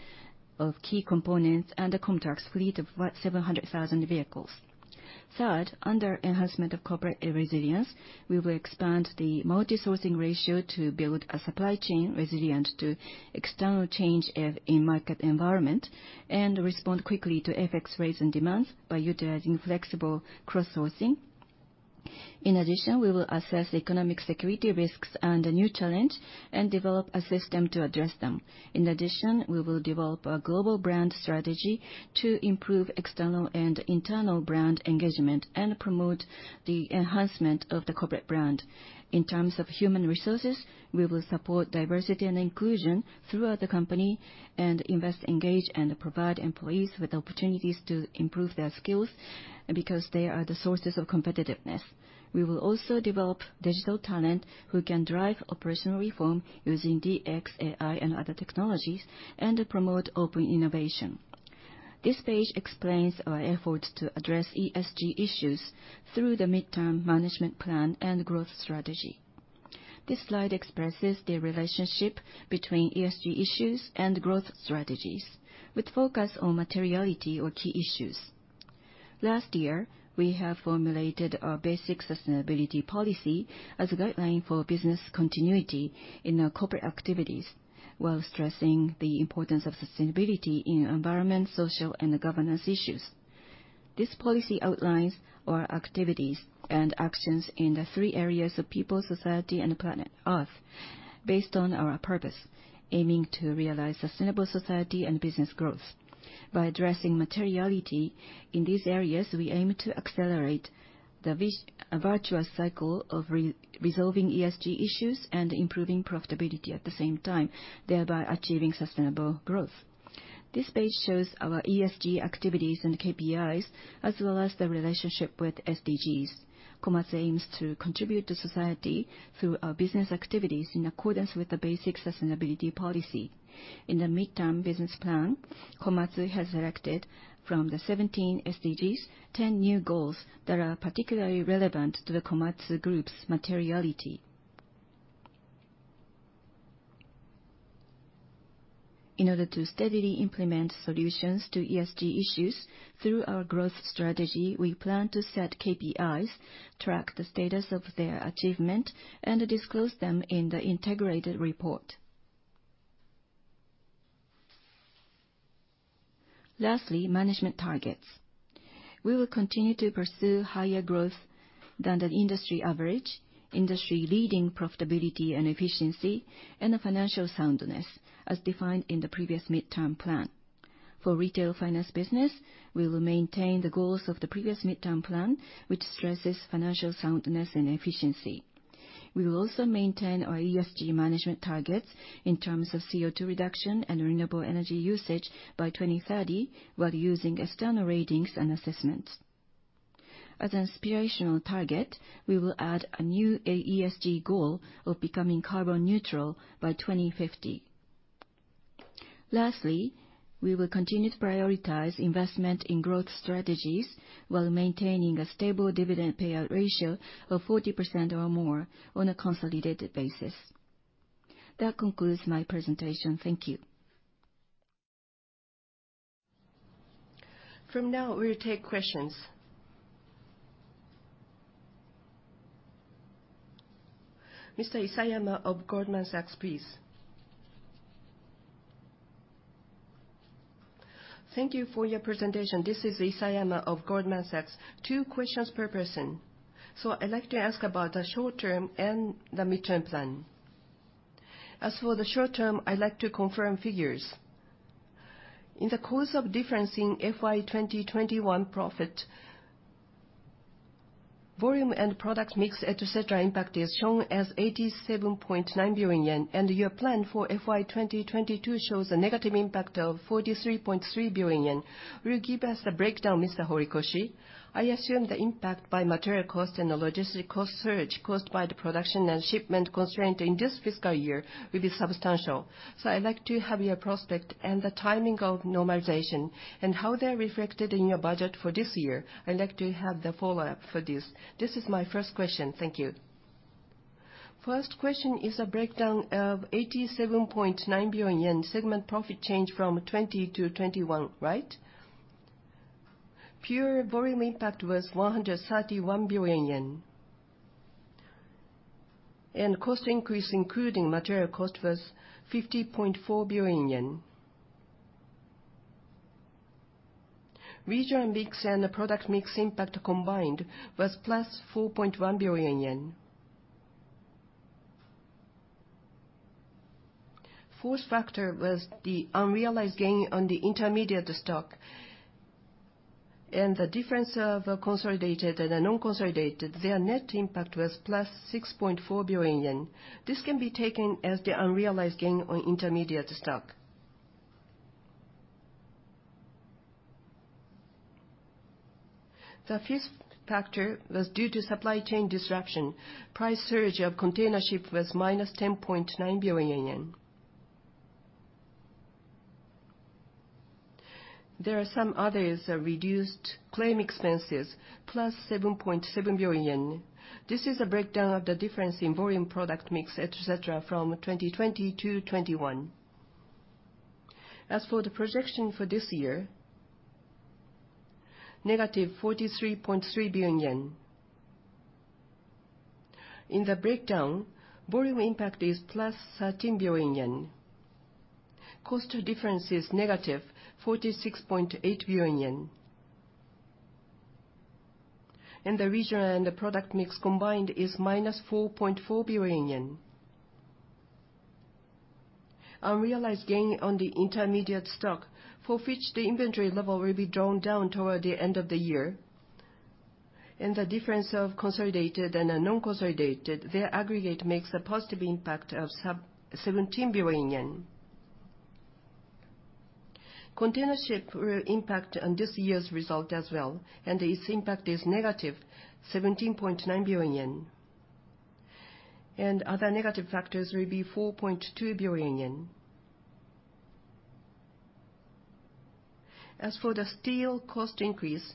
of key components and the KOMTRAX fleet of 700,000 vehicles. Third, under enhancement of corporate resilience, we will expand the multi-sourcing ratio to build a supply chain resilient to external change in market environment and respond quickly to FX rates and demands by utilizing flexible cross-sourcing. In addition, we will assess economic security risks and the new challenge and develop a system to address them. In addition, we will develop a global brand strategy to improve external and internal brand engagement and promote the enhancement of the corporate brand. In terms of human resources, we will support diversity and inclusion throughout the company and invest, engage, and provide employees with opportunities to improve their skills because they are the sources of competitiveness. We will also develop digital talent who can drive operational reform using DX, AI, and other technologies and promote open innovation. This page explains our efforts to address ESG issues through the midterm management plan and growth strategy. This slide expresses the relationship between ESG issues and growth strategies, with focus on materiality or key issues. Last year, we have formulated our basic sustainability policy as a guideline for business continuity in our corporate activities, while stressing the importance of sustainability in environmental, social, and governance issues. This policy outlines our activities and actions in the three areas of people, society, and planet Earth based on our purpose, aiming to realize sustainable society and business growth. By addressing materiality in these areas, we aim to accelerate the virtuous cycle of resolving ESG issues and improving profitability at the same time, thereby achieving sustainable growth. This page shows our ESG activities and KPIs, as well as the relationship with SDGs. Komatsu aims to contribute to society through our business activities in accordance with the basic sustainability policy. In the midterm business plan, Komatsu has selected from the 17 SDGs, 10 new goals that are particularly relevant to the Komatsu Group's materiality. In order to steadily implement solutions to ESG issues through our growth strategy, we plan to set KPIs, track the status of their achievement, and disclose them in the integrated report. Lastly, management targets. We will continue to pursue higher growth than the industry average, industry-leading profitability and efficiency, and a financial soundness as defined in the previous midterm plan. For retail finance business, we will maintain the goals of the previous midterm plan, which stresses financial soundness and efficiency. We will also maintain our ESG management targets in terms of CO2 reduction and renewable energy usage by 2030, while using external ratings and assessments. As an aspirational target, we will add a new ESG goal of becoming carbon neutral by 2050. Lastly, we will continue to prioritize investment in growth strategies while maintaining a stable dividend payout ratio of 40% or more on a consolidated basis. That concludes my presentation. Thank you. From now, we will take questions. Mr. Isayama of Goldman Sachs, please. Thank you for your presentation. This is Isayama of Goldman Sachs. Two questions per person. I'd like to ask about the short term and the midterm plan. As for the short term, I'd like to confirm figures. In the components of difference in FY 2021 profit, volume and product mix, et cetera, impact is shown as 87.9 billion yen, and your plan for FY 2022 shows a negative impact of 43.3 billion yen. Will you give us the breakdown, Mr. Horikoshi? I assume the impact by material cost and the logistics cost surge caused by the production and shipment constraint in this fiscal year will be substantial. I'd like to have your prospects and the timing of normalization and how they're reflected in your budget for this year. I'd like to have the follow-up for this. This is my first question. Thank you. First question is a breakdown of 87.9 billion yen segment profit change from 2020 to 2021, right? Pure volume impact was 131 billion yen. Cost increase, including material cost, was 50.4 billion yen. Region mix and the product mix impact combined was +4.1 billion yen. Fourth factor was the unrealized gain on the intermediate stock and the difference of consolidated and the non-consolidated, their net impact was +6.4 billion yen. This can be taken as the unrealized gain on intermediate stock. The fifth factor was due to supply chain disruption. Price surge of container ship was -10.9 billion yen. There are some others, reduced claim expenses, JPY+ 7.7 billion. This is a breakdown of the difference in volume product mix, et cetera, from 2020 to 2021. As for the projection for this year, JPY- 43.3 billion. In the breakdown, volume impact is +13 billion yen. Cost difference is -46.8 billion yen. The region and the product mix combined is -4.4 billion yen. Unrealized gain on the intermediate stock, for which the inventory level will be drawn down toward the end of the year, and the difference of consolidated and the non-consolidated, their aggregate makes a positive impact of 17 billion yen. Container ship will impact on this year's result as well, and its impact is -17.9 billion yen. Other negative factors will be 4.2 billion yen. As for the steel cost increase,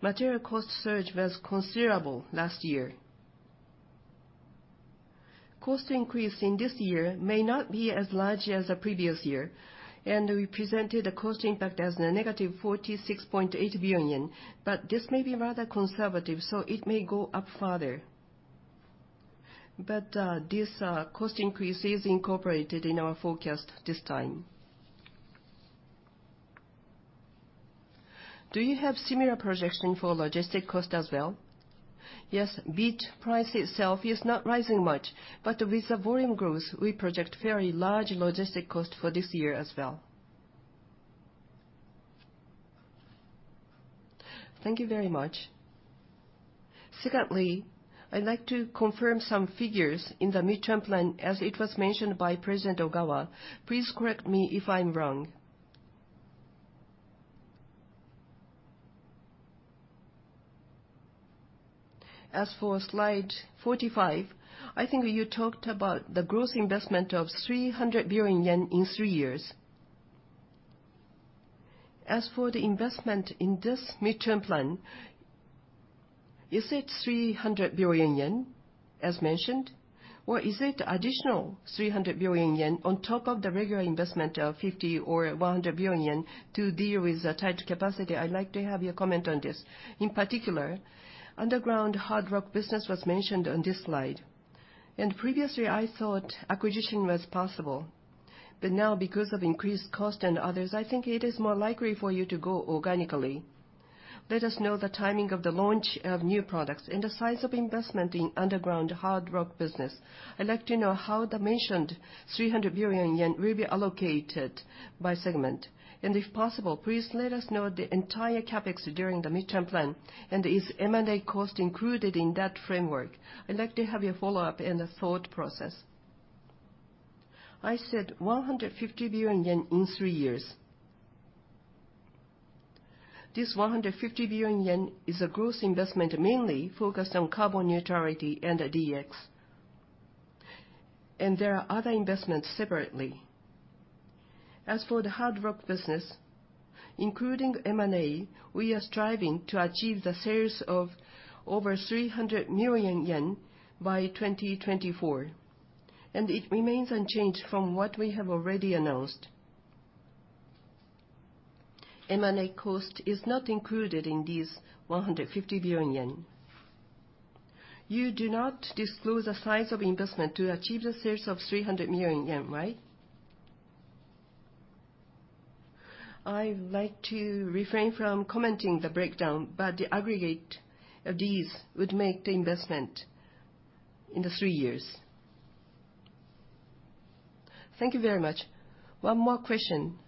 material cost surge was considerable last year. Cost increase in this year may not be as large as the previous year, and we presented a cost impact as a -46.8 billion yen, but this may be rather conservative, so it may go up farther. This cost increase is incorporated in our forecast this time. Do you have similar projection for logistic cost as well? Yes, freight price itself is not rising much. With the volume growth, we project very large logistic cost for this year as well. Thank you very much. Secondly, I'd like to confirm some figures in the midterm plan as it was mentioned by President Ogawa. Please correct me if I'm wrong. As for slide 45, I think you talked about the growth investment of 300 billion yen in three years. As for the investment in this midterm plan, is it 300 billion yen as mentioned? Or is it additional 300 billion yen on top of the regular investment of 50 billion or 100 billion yen to deal with the tight capacity? I'd like to have your comment on this. In particular, underground hard rock business was mentioned on this slide. Previously I thought acquisition was possible, but now because of increased cost and others, I think it is more likely for you to go organically. Let us know the timing of the launch of new products and the size of investment in underground hard rock business? I'd like to know how the mentioned 300 billion yen will be allocated by segment. If possible, please let us know the entire CapEx during the midterm plan and is M&A cost included in that framework. I'd like to have your follow-up and the thought process. I said 150 billion yen in three years. This 150 billion yen is a growth investment mainly focused on carbon neutrality and DX. There are other investments separately. As for the hard rock business, including M&A, we are striving to achieve the sales of over 300 million yen by 2024, and it remains unchanged from what we have already announced. M&A cost is not included in this 150 billion yen. You do not disclose the size of investment to achieve the sales of 300 million yen, right? I'd like to refrain from commenting on the breakdown, but the aggregate of these would make the investment in the three years. Thank you very much. One more question.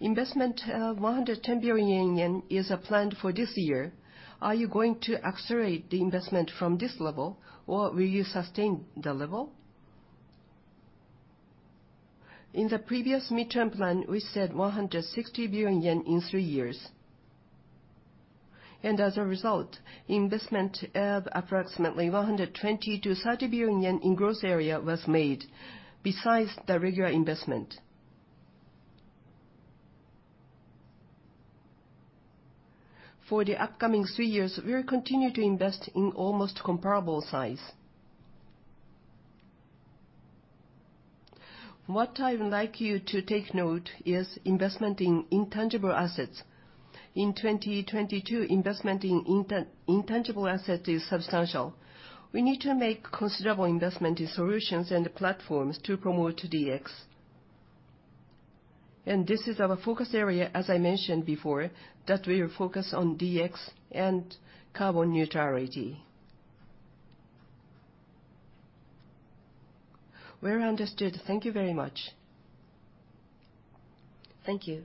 Investment of 110 billion yen is planned for this year. Are you going to accelerate the investment from this level or will you sustain the level? In the previous midterm plan, we said 160 billion yen in three years. As a result, investment of approximately 120 billion-130 billion yen in growth area was made besides the regular investment. For the upcoming three years, we'll continue to invest in almost comparable size. What I would like you to take note of is investment in intangible assets. In 2022, investment in intangible assets is substantial. We need to make considerable investment in solutions and platforms to promote DX. This is our focus area, as I mentioned before, that we are focused on DX and carbon neutrality. Well understood. Thank you very much. Thank you.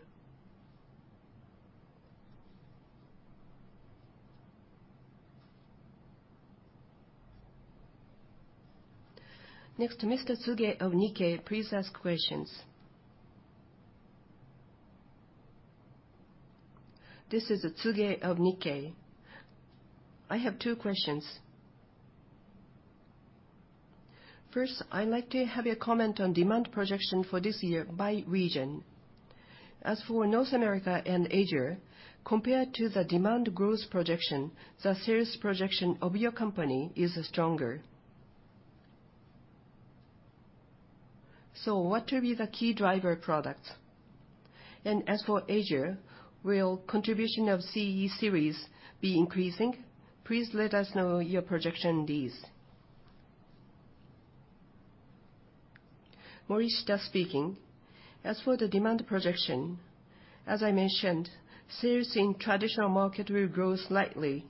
Next, Mr. Tsuge of Nikkei, please ask questions. This is Tsuge of Nikkei. I have two questions. First, I'd like to have your comment on demand projection for this year by region. As for North America and Asia, compared to the demand growth projection, the sales projection of your company is stronger. What will be the key driver products? As for Asia, will contribution of CE series be increasing? Please let us know your projection on these. Morishita speaking. As for the demand projection, as I mentioned, sales in traditional market will grow slightly.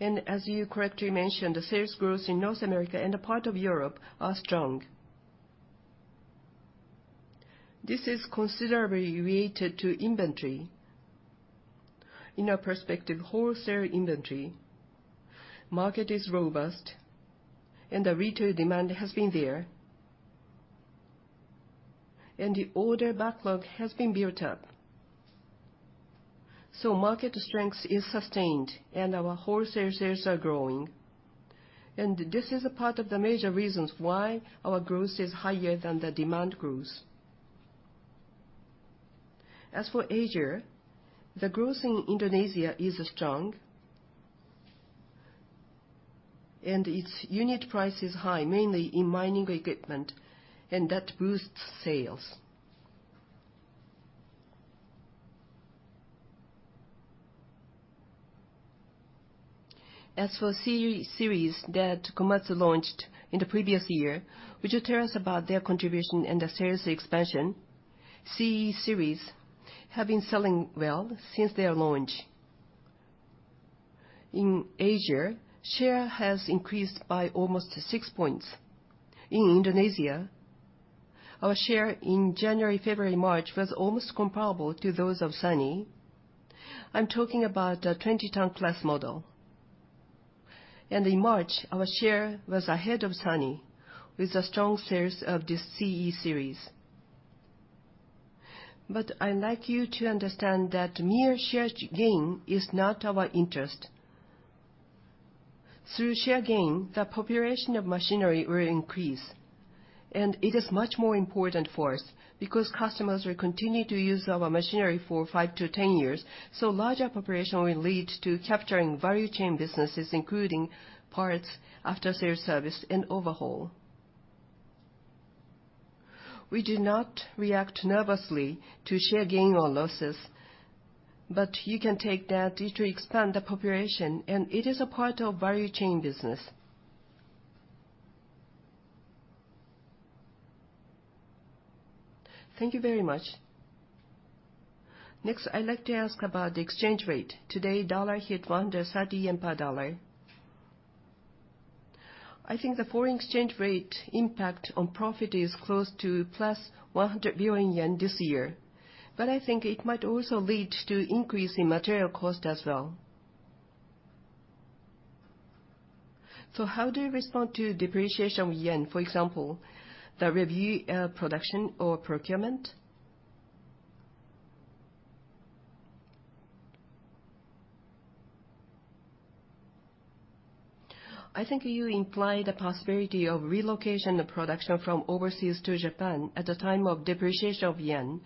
As you correctly mentioned, the sales growth in North America and a part of Europe are strong. This is considerably related to inventory. In our perspective, wholesale inventory market is robust and the retail demand has been there. The order backlog has been built up. Market strength is sustained, and our wholesale sales are growing. This is a part of the major reasons why our growth is higher than the demand growth. As for Asia, the growth in Indonesia is strong. Its unit price is high, mainly in mining equipment, and that boosts sales. As for CE series that Komatsu launched in the previous year, would you tell us about their contribution and the sales expansion? CE series have been selling well since their launch. In Asia, share has increased by almost six points. In Indonesia, our share in January, February, March was almost comparable to those of SANY. I'm talking about a 20-ton class model. In March, our share was ahead of SANY, with the strong sales of this CE series. I'd like you to understand that mere share gain is not our interest. Through share gain, the population of machinery will increase, and it is much more important for us because customers will continue to use our machinery for five to 10 years, so larger population will lead to capturing value chain businesses, including parts, after-sales service, and overhaul. We do not react nervously to share gain or losses, but you can take that to expand the population, and it is a part of value chain business. Thank you very much. Next, I'd like to ask about the exchange rate. Today, dollar hit 130 yen per dollar. I think the foreign exchange rate impact on profit is close to plus 100 billion yen this year. I think it might also lead to increase in material cost as well. How do you respond to depreciation of yen? For example, the review, production or procurement? I think you imply the possibility of relocation of production from overseas to Japan at the time of depreciation of yen.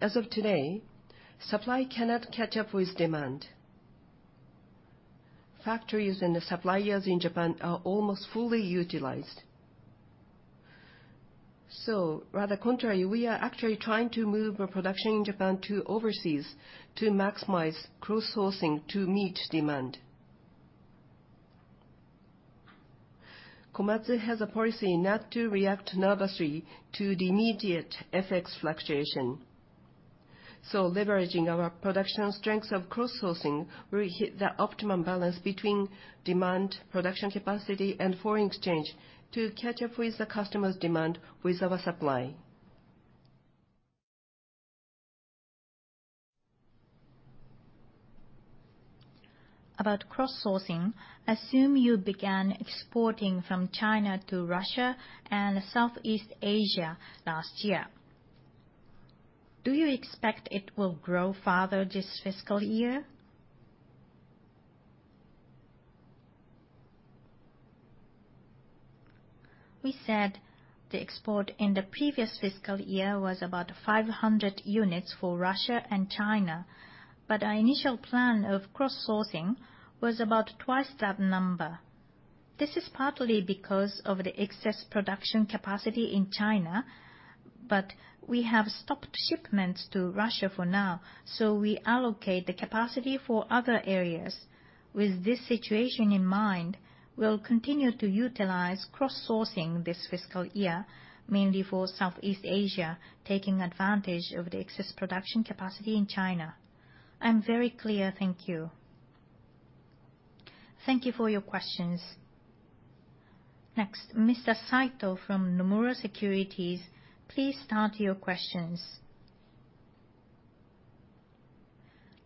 As of today, supply cannot catch up with demand. Factories and the suppliers in Japan are almost fully utilized. Rather contrary, we are actually trying to move our production in Japan to overseas to maximize cross-sourcing to meet demand. Komatsu has a policy not to react nervously to the immediate FX fluctuation. Leveraging our production strength of cross-sourcing, we hit the optimum balance between demand, production capacity, and foreign exchange to catch up with the customers' demand with our supply. About cross-sourcing, assume you began exporting from China to Russia and Southeast Asia last year. Do you expect it will grow farther this fiscal year? We said the export in the previous fiscal year was about 500 units for Russia and China, but our initial plan of cross-sourcing was about twice that number. This is partly because of the excess production capacity in China, but we have stopped shipments to Russia for now, so we allocate the capacity for other areas. With this situation in mind, we'll continue to utilize cross-sourcing this fiscal year, mainly for Southeast Asia, taking advantage of the excess production capacity in China. I'm very clear. Thank you. Thank you for your questions. Next, Mr. Saito from Nomura Securities, please start your questions.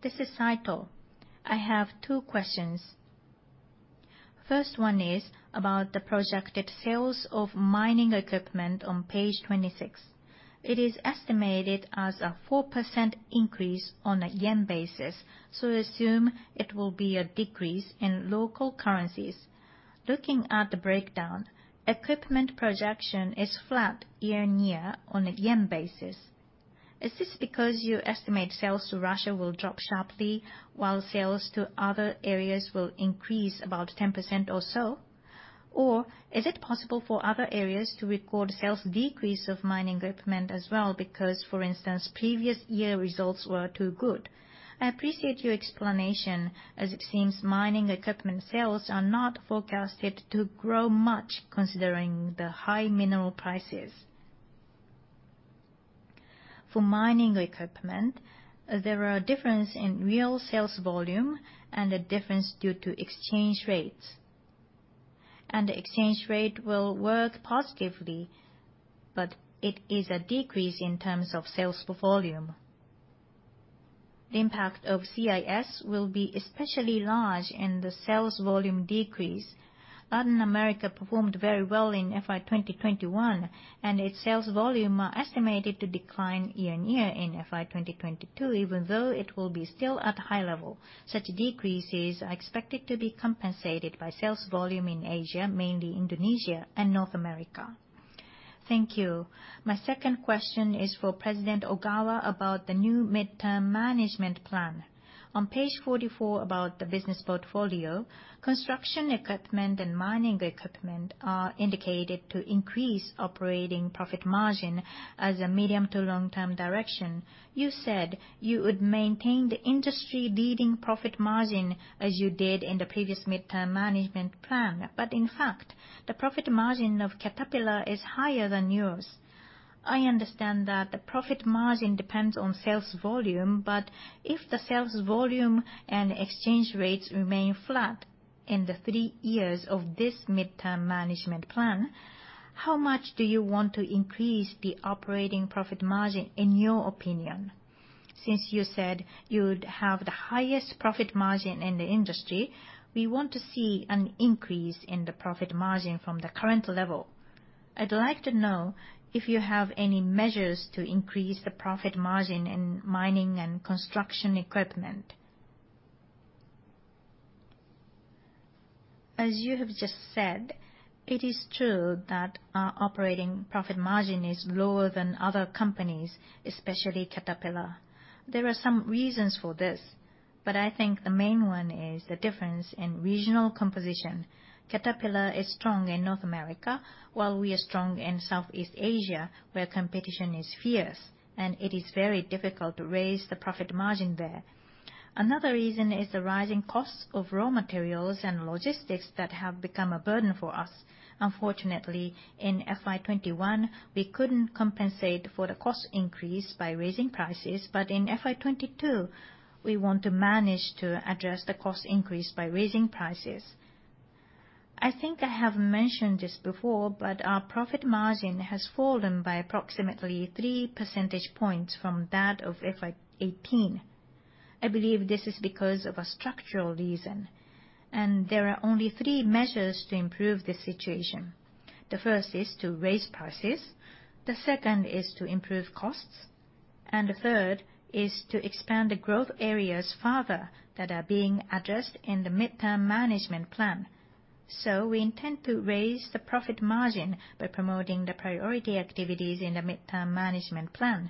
This is Saito. I have two questions. First one is about the projected sales of mining equipment on page 26. It is estimated as a 4% increase on a yen basis, so assume it will be a decrease in local currencies. Looking at the breakdown, equipment projection is flat year-on-year on a yen basis. Is this because you estimate sales to Russia will drop sharply while sales to other areas will increase about 10% or so? Or is it possible for other areas to record sales decrease of mining equipment as well because, for instance, previous year results were too good? I appreciate your explanation, as it seems mining equipment sales are not forecasted to grow much considering the high mineral prices. For mining equipment, there are differences in real sales volume and a difference due to exchange rates. The exchange rate will work positively, but it is a decrease in terms of sales volume. The impact of CIS will be especially large in the sales volume decrease. Latin America performed very well in FY 2021, and its sales volume are estimated to decline year-on-year in FY 2022, even though it will be still at high level. Such decreases are expected to be compensated by sales volume in Asia, mainly Indonesia and North America. Thank you. My second question is for President Ogawa about the new midterm management plan. On page 44, about the business portfolio, construction equipment and mining equipment are indicated to increase operating profit margin as a medium to long-term direction. You said you would maintain the industry-leading profit margin as you did in the previous midterm management plan. In fact, the profit margin of Caterpillar is higher than yours. I understand that the profit margin depends on sales volume, but if the sales volume and exchange rates remain flat in the three years of this mid-term management plan, how much do you want to increase the operating profit margin, in your opinion? Since you said you'd have the highest profit margin in the industry, we want to see an increase in the profit margin from the current level. I'd like to know if you have any measures to increase the profit margin in mining and construction equipment. As you have just said, it is true that our operating profit margin is lower than other companies, especially Caterpillar. There are some reasons for this, but I think the main one is the difference in regional composition. Caterpillar is strong in North America, while we are strong in Southeast Asia, where competition is fierce, and it is very difficult to raise the profit margin there. Another reason is the rising costs of raw materials and logistics that have become a burden for us. Unfortunately, in FY2021, we couldn't compensate for the cost increase by raising prices. In FY2022, we want to manage to address the cost increase by raising prices. I think I have mentioned this before, but our profit margin has fallen by approximately three percentage points from that of FY2018. I believe this is because of a structural reason, and there are only three measures to improve this situation. The first is to raise prices, the second is to improve costs, and the third is to expand the growth areas further that are being addressed in the mid-term management plan. We intend to raise the profit margin by promoting the priority activities in the midterm management plan.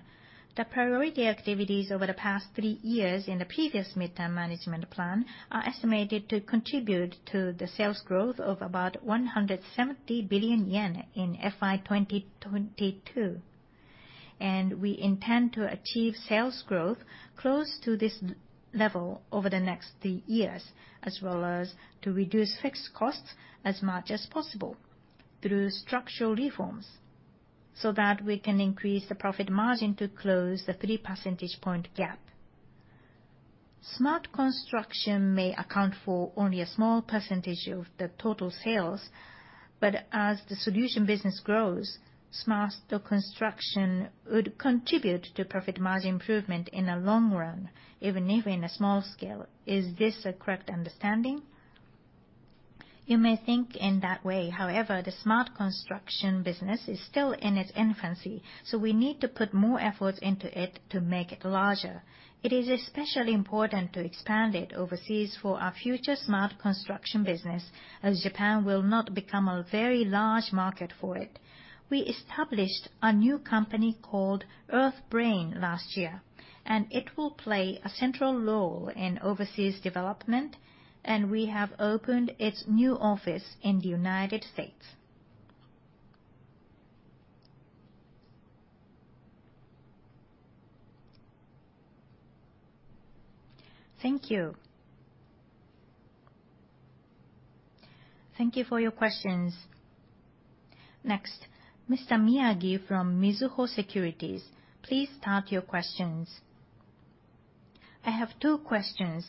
The priority activities over the past three years in the previous midterm management plan are estimated to contribute to the sales growth of about 170 billion yen in FY2022. We intend to achieve sales growth close to this level over the next three years, as well as to reduce fixed costs as much as possible through structural reforms, so that we can increase the profit margin to close the three percentage point gap. Smart Construction may account for only a small percentage of the total sales, but as the solution business grows, Smart Construction would contribute to profit margin improvement in the long run, even if in a small scale. Is this a correct understanding? You may think in that way, however, the Smart Construction business is still in its infancy, so we need to put more efforts into it to make it larger. It is especially important to expand it overseas for our future Smart Construction business, as Japan will not become a very large market for it. We established a new company called EARTHBRAIN last year, and it will play a central role in overseas development, and we have opened its new office in the United States. Thank you. Thank you for your questions. Next, Mr. Miyagi from Mizuho Securities, please start your questions. I have two questions.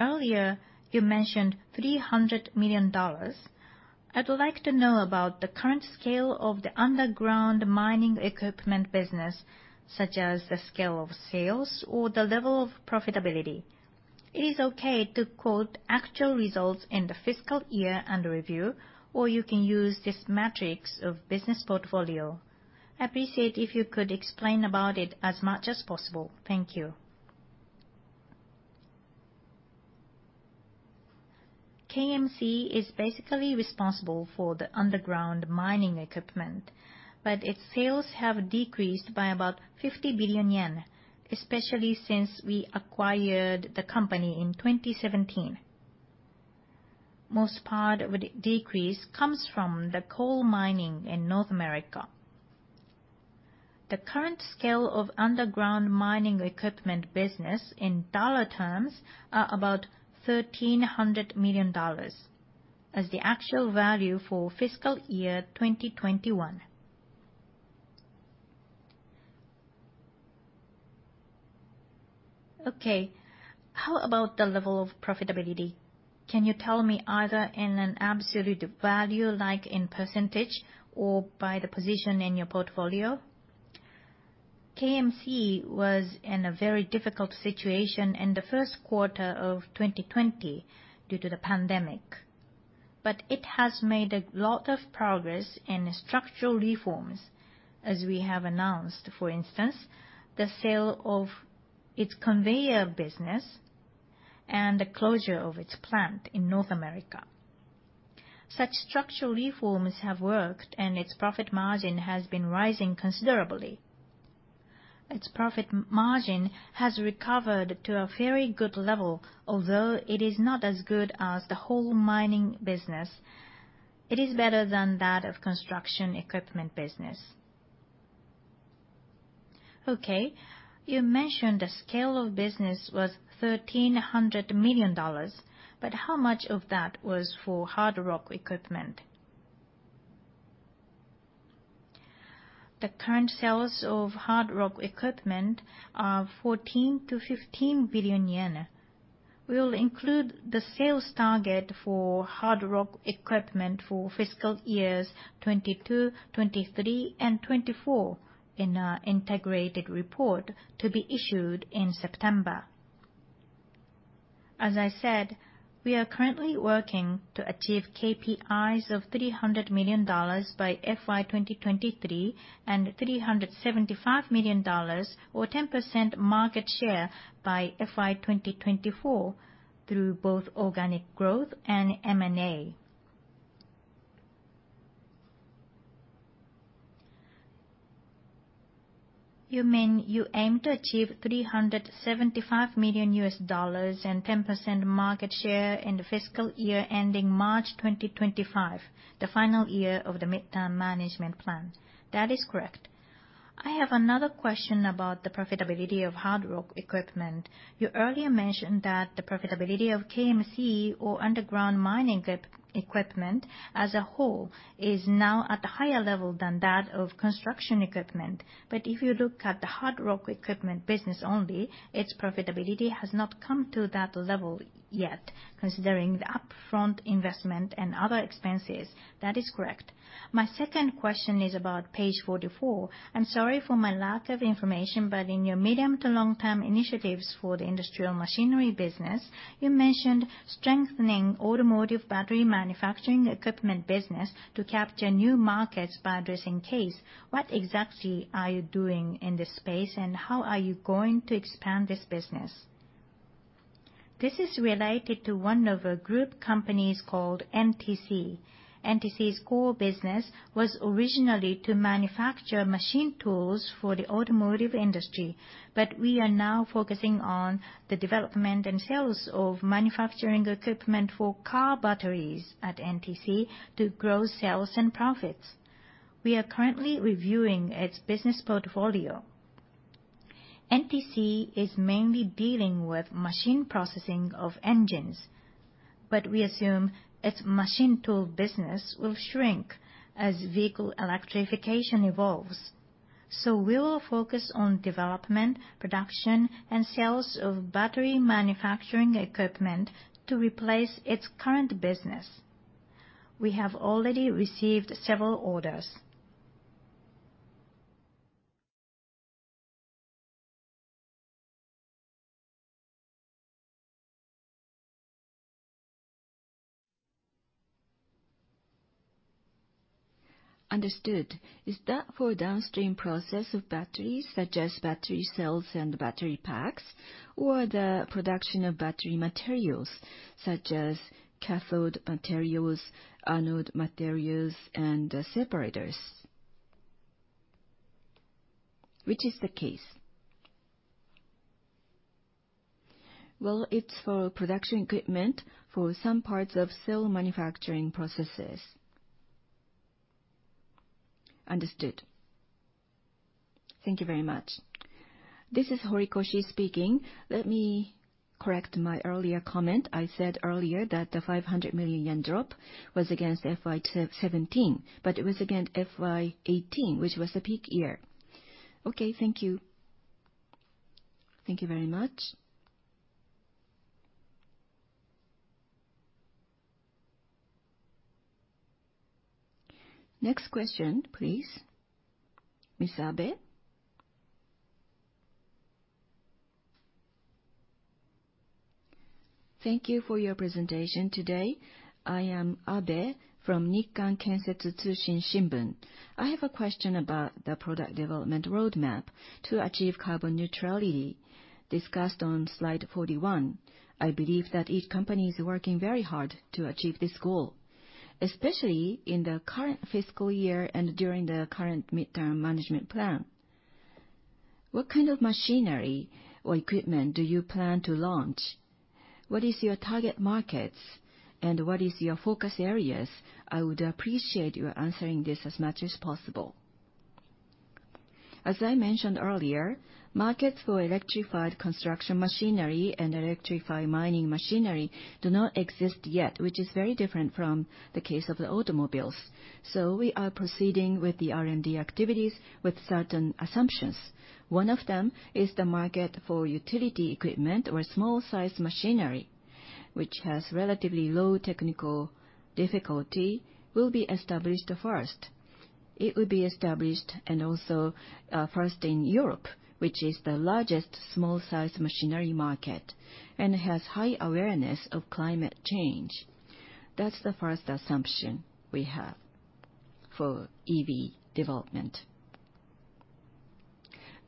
Earlier, you mentioned $300 million. I would like to know about the current scale of the underground mining equipment business, such as the scale of sales or the level of profitability. It is okay to quote actual results in the fiscal year under review, or you can use this metrics of business portfolio. Appreciate if you could explain about it as much as possible. Thank you. KMC is basically responsible for the underground mining equipment, but its sales have decreased by about 50 billion yen, especially since we acquired the company in 2017. Most part of the decrease comes from the coal mining in North America. The current scale of underground mining equipment business in dollar terms are about $1.3 billion as the actual value for fiscal year 2021. Okay. How about the level of profitability? Can you tell me either in an absolute value, like in percentage, or by the position in your portfolio? KMC was in a very difficult situation in the first quarter of 2020 due to the pandemic, but it has made a lot of progress in structural reforms. As we have announced, for instance, the sale of its conveyor business and the closure of its plant in North America. Such structural reforms have worked, and its profit margin has been rising considerably. Its profit margin has recovered to a very good level. Although it is not as good as the whole mining business, it is better than that of construction equipment business. Okay. You mentioned the scale of business was $1.3 billion, but how much of that was for hard rock equipment? The current sales of hard rock equipment are 14 billion-15 billion yen. We will include the sales target for hard rock equipment for fiscal years 2022, 2023, and 2024 in our integrated report to be issued in September. As I said, we are currently working to achieve KPIs of $300 million by FY 2023 and $375 million or 10% market share by FY 2024 through both organic growth and M&A. You mean you aim to achieve $375 million and 10% market share in the fiscal year ending March 2025, the final year of the midterm management plan? That is correct. I have another question about the profitability of hard rock equipment. You earlier mentioned that the profitability of KMC or underground mining equipment as a whole is now at a higher level than that of construction equipment. If you look at the hard rock equipment business only, its profitability has not come to that level yet, considering the upfront investment and other expenses. That is correct. My second question is about page 44. I'm sorry for my lack of information, but in your medium to long term initiatives for the industrial machinery business, you mentioned strengthening automotive battery manufacturing equipment business to capture new markets by addressing CASE. What exactly are you doing in this space, and how are you going to expand this business? This is related to one of our group companies called NTC. NTC's core business was originally to manufacture machine tools for the automotive industry, but we are now focusing on the development and sales of manufacturing equipment for car batteries at NTC to grow sales and profits. We are currently reviewing its business portfolio. NTC is mainly dealing with machining of engines, but we assume its machine tool business will shrink as vehicle electrification evolves. We will focus on development, production, and sales of battery manufacturing equipment to replace its current business. We have already received several orders. Understood. Is that for downstream process of batteries, such as battery cells and battery packs, or the production of battery materials, such as cathode materials, anode materials, and separators? Which is the case? Well, it's for production equipment for some parts of cell manufacturing processes. Understood. Thank you very much. This is Horikoshi speaking. Let me correct my earlier comment. I said earlier that the 500 million yen drop was against FY 2017, but it was against FY 2018, which was the peak year. Okay, thank you. Thank you very much. Next question, please. Ms. Abe. Thank you for your presentation today. I am Abe from Nikkan Kensetsu Tsushin Shimbun. I have a question about the product development roadmap to achieve carbon neutrality discussed on slide 41. I believe that each company is working very hard to achieve this goal, especially in the current fiscal year and during the current midterm management plan. What kind of machinery or equipment do you plan to launch? What is your target markets, and what is your focus areas? I would appreciate you answering this as much as possible. As I mentioned earlier, markets for electrified construction machinery and electrified mining machinery do not exist yet, which is very different from the case of the automobiles. We are proceeding with the R&D activities with certain assumptions. One of them is the market for utility equipment or small size machinery, which has relatively low technical difficulty, will be established first. It will be established and also first in Europe, which is the largest small size machinery market and has high awareness of climate change. That's the first assumption we have for EV development.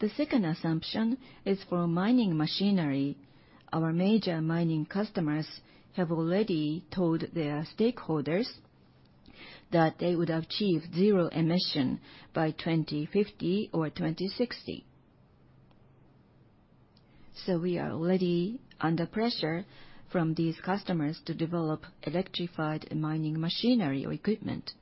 The second assumption is for mining machinery. Our major mining customers have already told their stakeholders that they would achieve zero emissions by 2050 or 2060. We are already under pressure from these customers to develop electrified mining machinery or equipment.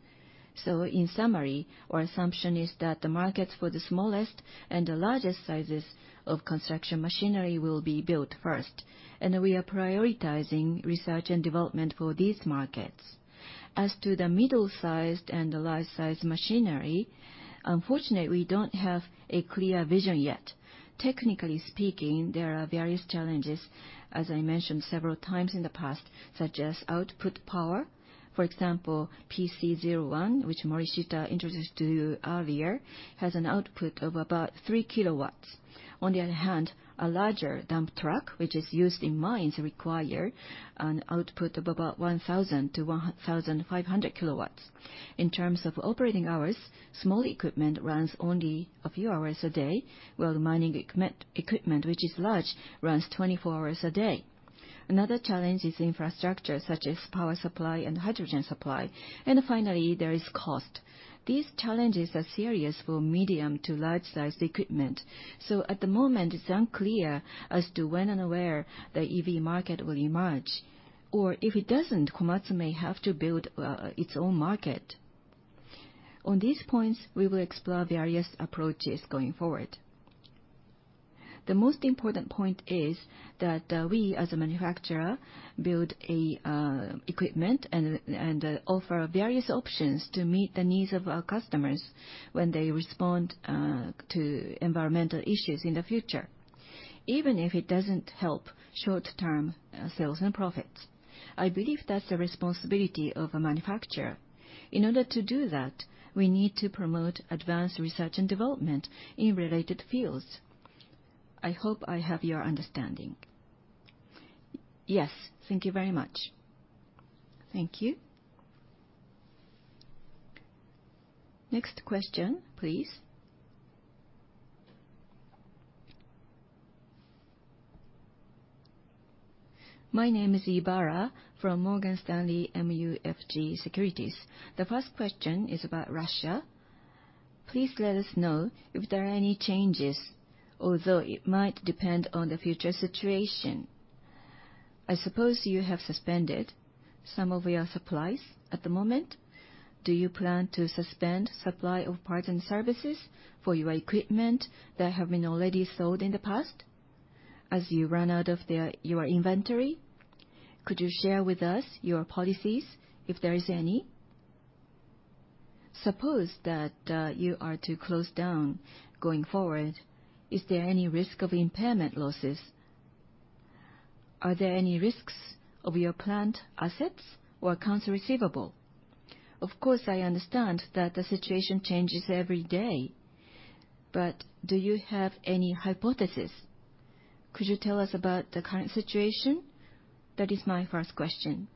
In summary, our assumption is that the markets for the smallest and the largest sizes of construction machinery will be built first, and we are prioritizing research and development for these markets. As to the middle sized and the large sized machinery, unfortunately, we don't have a clear vision yet. Technically speaking, there are various challenges, as I mentioned several times in the past, such as output power. For example, PC01, which Morishita introduced to you earlier, has an output of about 3 kW. On the other hand, a larger dump truck, which is used in mines, require an output of about 1,000-1,500 kW. In terms of operating hours, small equipment runs only a few hours a day, while the mining equipment which is large, runs 24 hours a day. Another challenge is infrastructure such as power supply and hydrogen supply. Finally, there is cost. These challenges are serious for medium to large sized equipment. At the moment, it's unclear as to when and where the EV market will emerge, or if it doesn't, Komatsu may have to build its own market. On these points, we will explore various approaches going forward. The most important point is that we as a manufacturer build equipment and offer various options to meet the needs of our customers when they respond to environmental issues in the future, even if it doesn't help short-term sales and profits. I believe that's the responsibility of a manufacturer. In order to do that, we need to promote advanced research and development in related fields. I hope I have your understanding. Yes. Thank you very much. Thank you. Next question, please. My name is Ibara from Morgan Stanley MUFG Securities. The first question is about Russia. Please let us know if there are any changes, although it might depend on the future situation. I suppose you have suspended some of your supplies at the moment. Do you plan to suspend supply of parts and services for your equipment that have been already sold in the past as you run out of your inventory? Could you share with us your policies if there is any? Suppose that, you are to close down going forward, is there any risk of impairment losses? Are there any risks of your plant assets or accounts receivable? Of course, I understand that the situation changes every day, but do you have any hypothesis? Could you tell us about the current situation? That is my first question.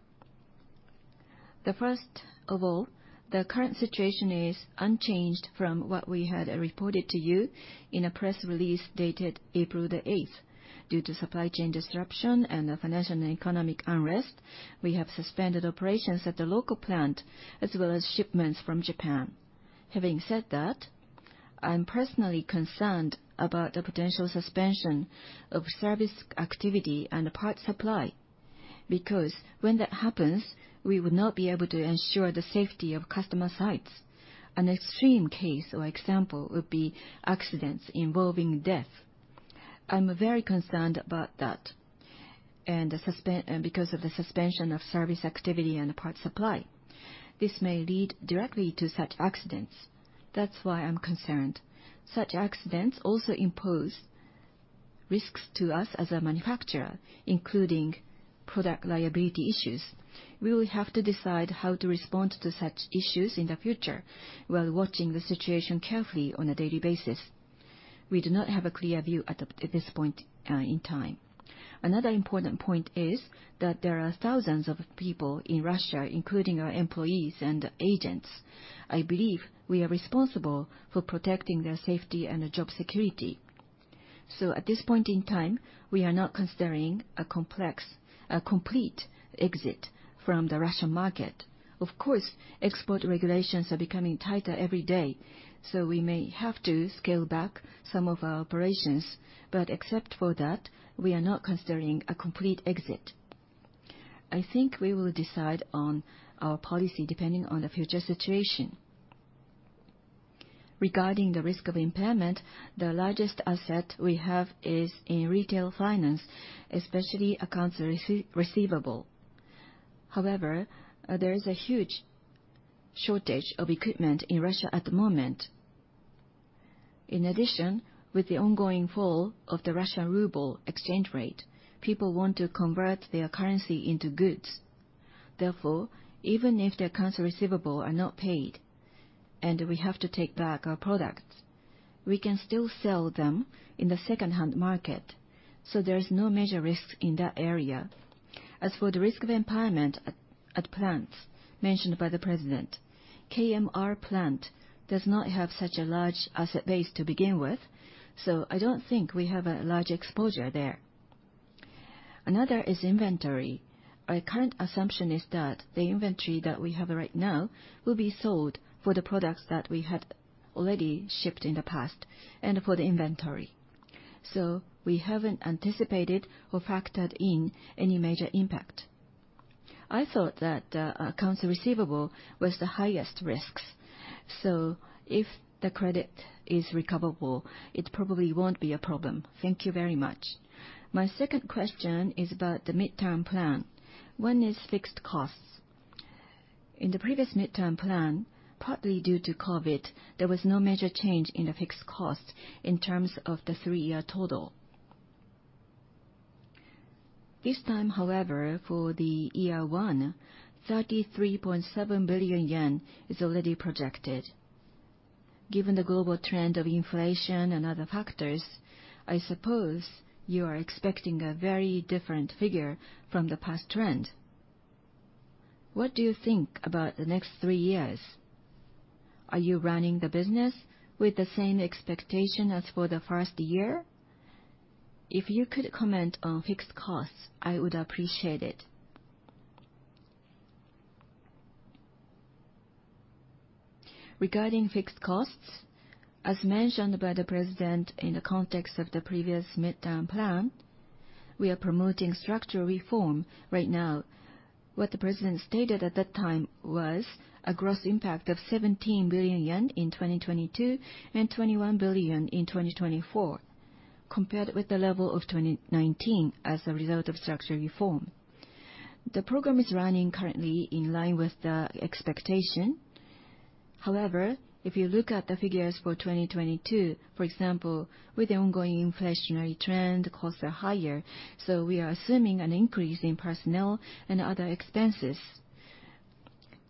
First of all, the current situation is unchanged from what we had reported to you in a press release dated April the 8th. Due to supply chain disruption and the financial and economic unrest, we have suspended operations at the local plant, as well as shipments from Japan. Having said that, I'm personally concerned about the potential suspension of service activity and parts supply, because when that happens, we would not be able to ensure the safety of customer sites. An extreme case or example would be accidents involving death. I'm very concerned about that and because of the suspension of service activity and parts supply. This may lead directly to such accidents. That's why I'm concerned. Such accidents also impose risks to us as a manufacturer, including product liability issues. We will have to decide how to respond to such issues in the future while watching the situation carefully on a daily basis. We do not have a clear view at this point in time. Another important point is that there are thousands of people in Russia, including our employees and agents. I believe we are responsible for protecting their safety and job security. At this point in time, we are not considering a complete exit from the Russian market. Of course, export regulations are becoming tighter every day, so we may have to scale back some of our operations. Except for that, we are not considering a complete exit. I think we will decide on our policy depending on the future situation. Regarding the risk of impairment, the largest asset we have is in retail finance, especially accounts receivable. However, there is a huge shortage of equipment in Russia at the moment. In addition, with the ongoing fall of the Russian ruble exchange rate, people want to convert their currency into goods. Therefore, even if the accounts receivable are not paid and we have to take back our products, we can still sell them in the second-hand market, so there's no major risks in that area. As for the risk of impairment at plants mentioned by the president, KMR plant does not have such a large asset base to begin with, so I don't think we have a large exposure there. Another is inventory. Our current assumption is that the inventory that we have right now will be sold for the products that we had already shipped in the past and for the inventory. We haven't anticipated or factored in any major impact. I thought that accounts receivable was the highest risks. If the credit is recoverable, it probably won't be a problem. Thank you very much. My second question is about the mid-term plan. One is fixed costs. In the previous midterm plan, partly due to COVID-19, there was no major change in the fixed cost in terms of the three-year total. This time, however, for the year one, 33.7 billion yen is already projected. Given the global trend of inflation and other factors, I suppose you are expecting a very different figure from the past trend. What do you think about the next three years? Are you running the business with the same expectation as for the first year? If you could comment on fixed costs, I would appreciate it. Regarding fixed costs, as mentioned by the president in the context of the previous midterm plan, we are promoting structural reform right now. What the president stated at that time was a gross impact of 17 billion yen in 2022, and 21 billion in 2024, compared with the level of 2019 as a result of structural reform. The program is running currently in line with the expectation. However, if you look at the figures for 2022, for example, with the ongoing inflationary trend, costs are higher, so we are assuming an increase in personnel and other expenses.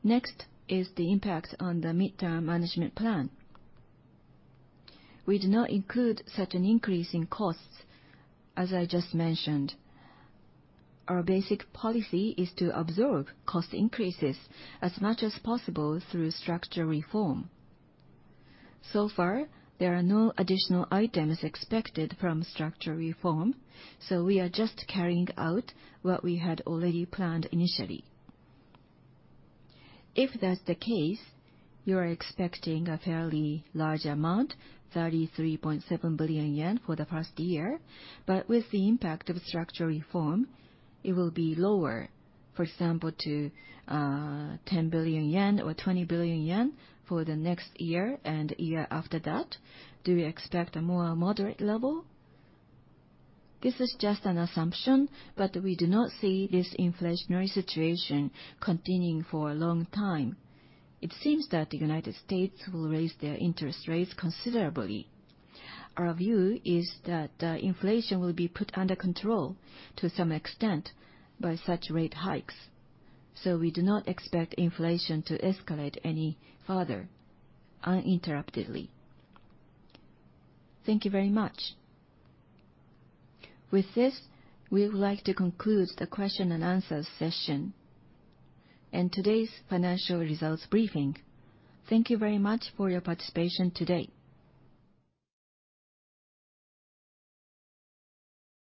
Next is the impact on the midterm management plan. We do not include such an increase in costs. As I just mentioned, our basic policy is to absorb cost increases as much as possible through structural reform. So far, there are no additional items expected from structural reform, so we are just carrying out what we had already planned initially. If that's the case, you are expecting a fairly large amount, 33.7 billion yen for the first year. With the impact of structural reform, it will be lower, for example, to ten billion yen or twenty billion yen for the next year and year after that. Do you expect a more moderate level? This is just an assumption, but we do not see this inflationary situation continuing for a long time. It seems that the United States will raise their interest rates considerably. Our view is that, inflation will be put under control to some extent by such rate hikes, so we do not expect inflation to escalate any further uninterruptedly. Thank you very much. With this, we would like to conclude the question and answer session and today's financial results briefing. Thank you very much for your participation today.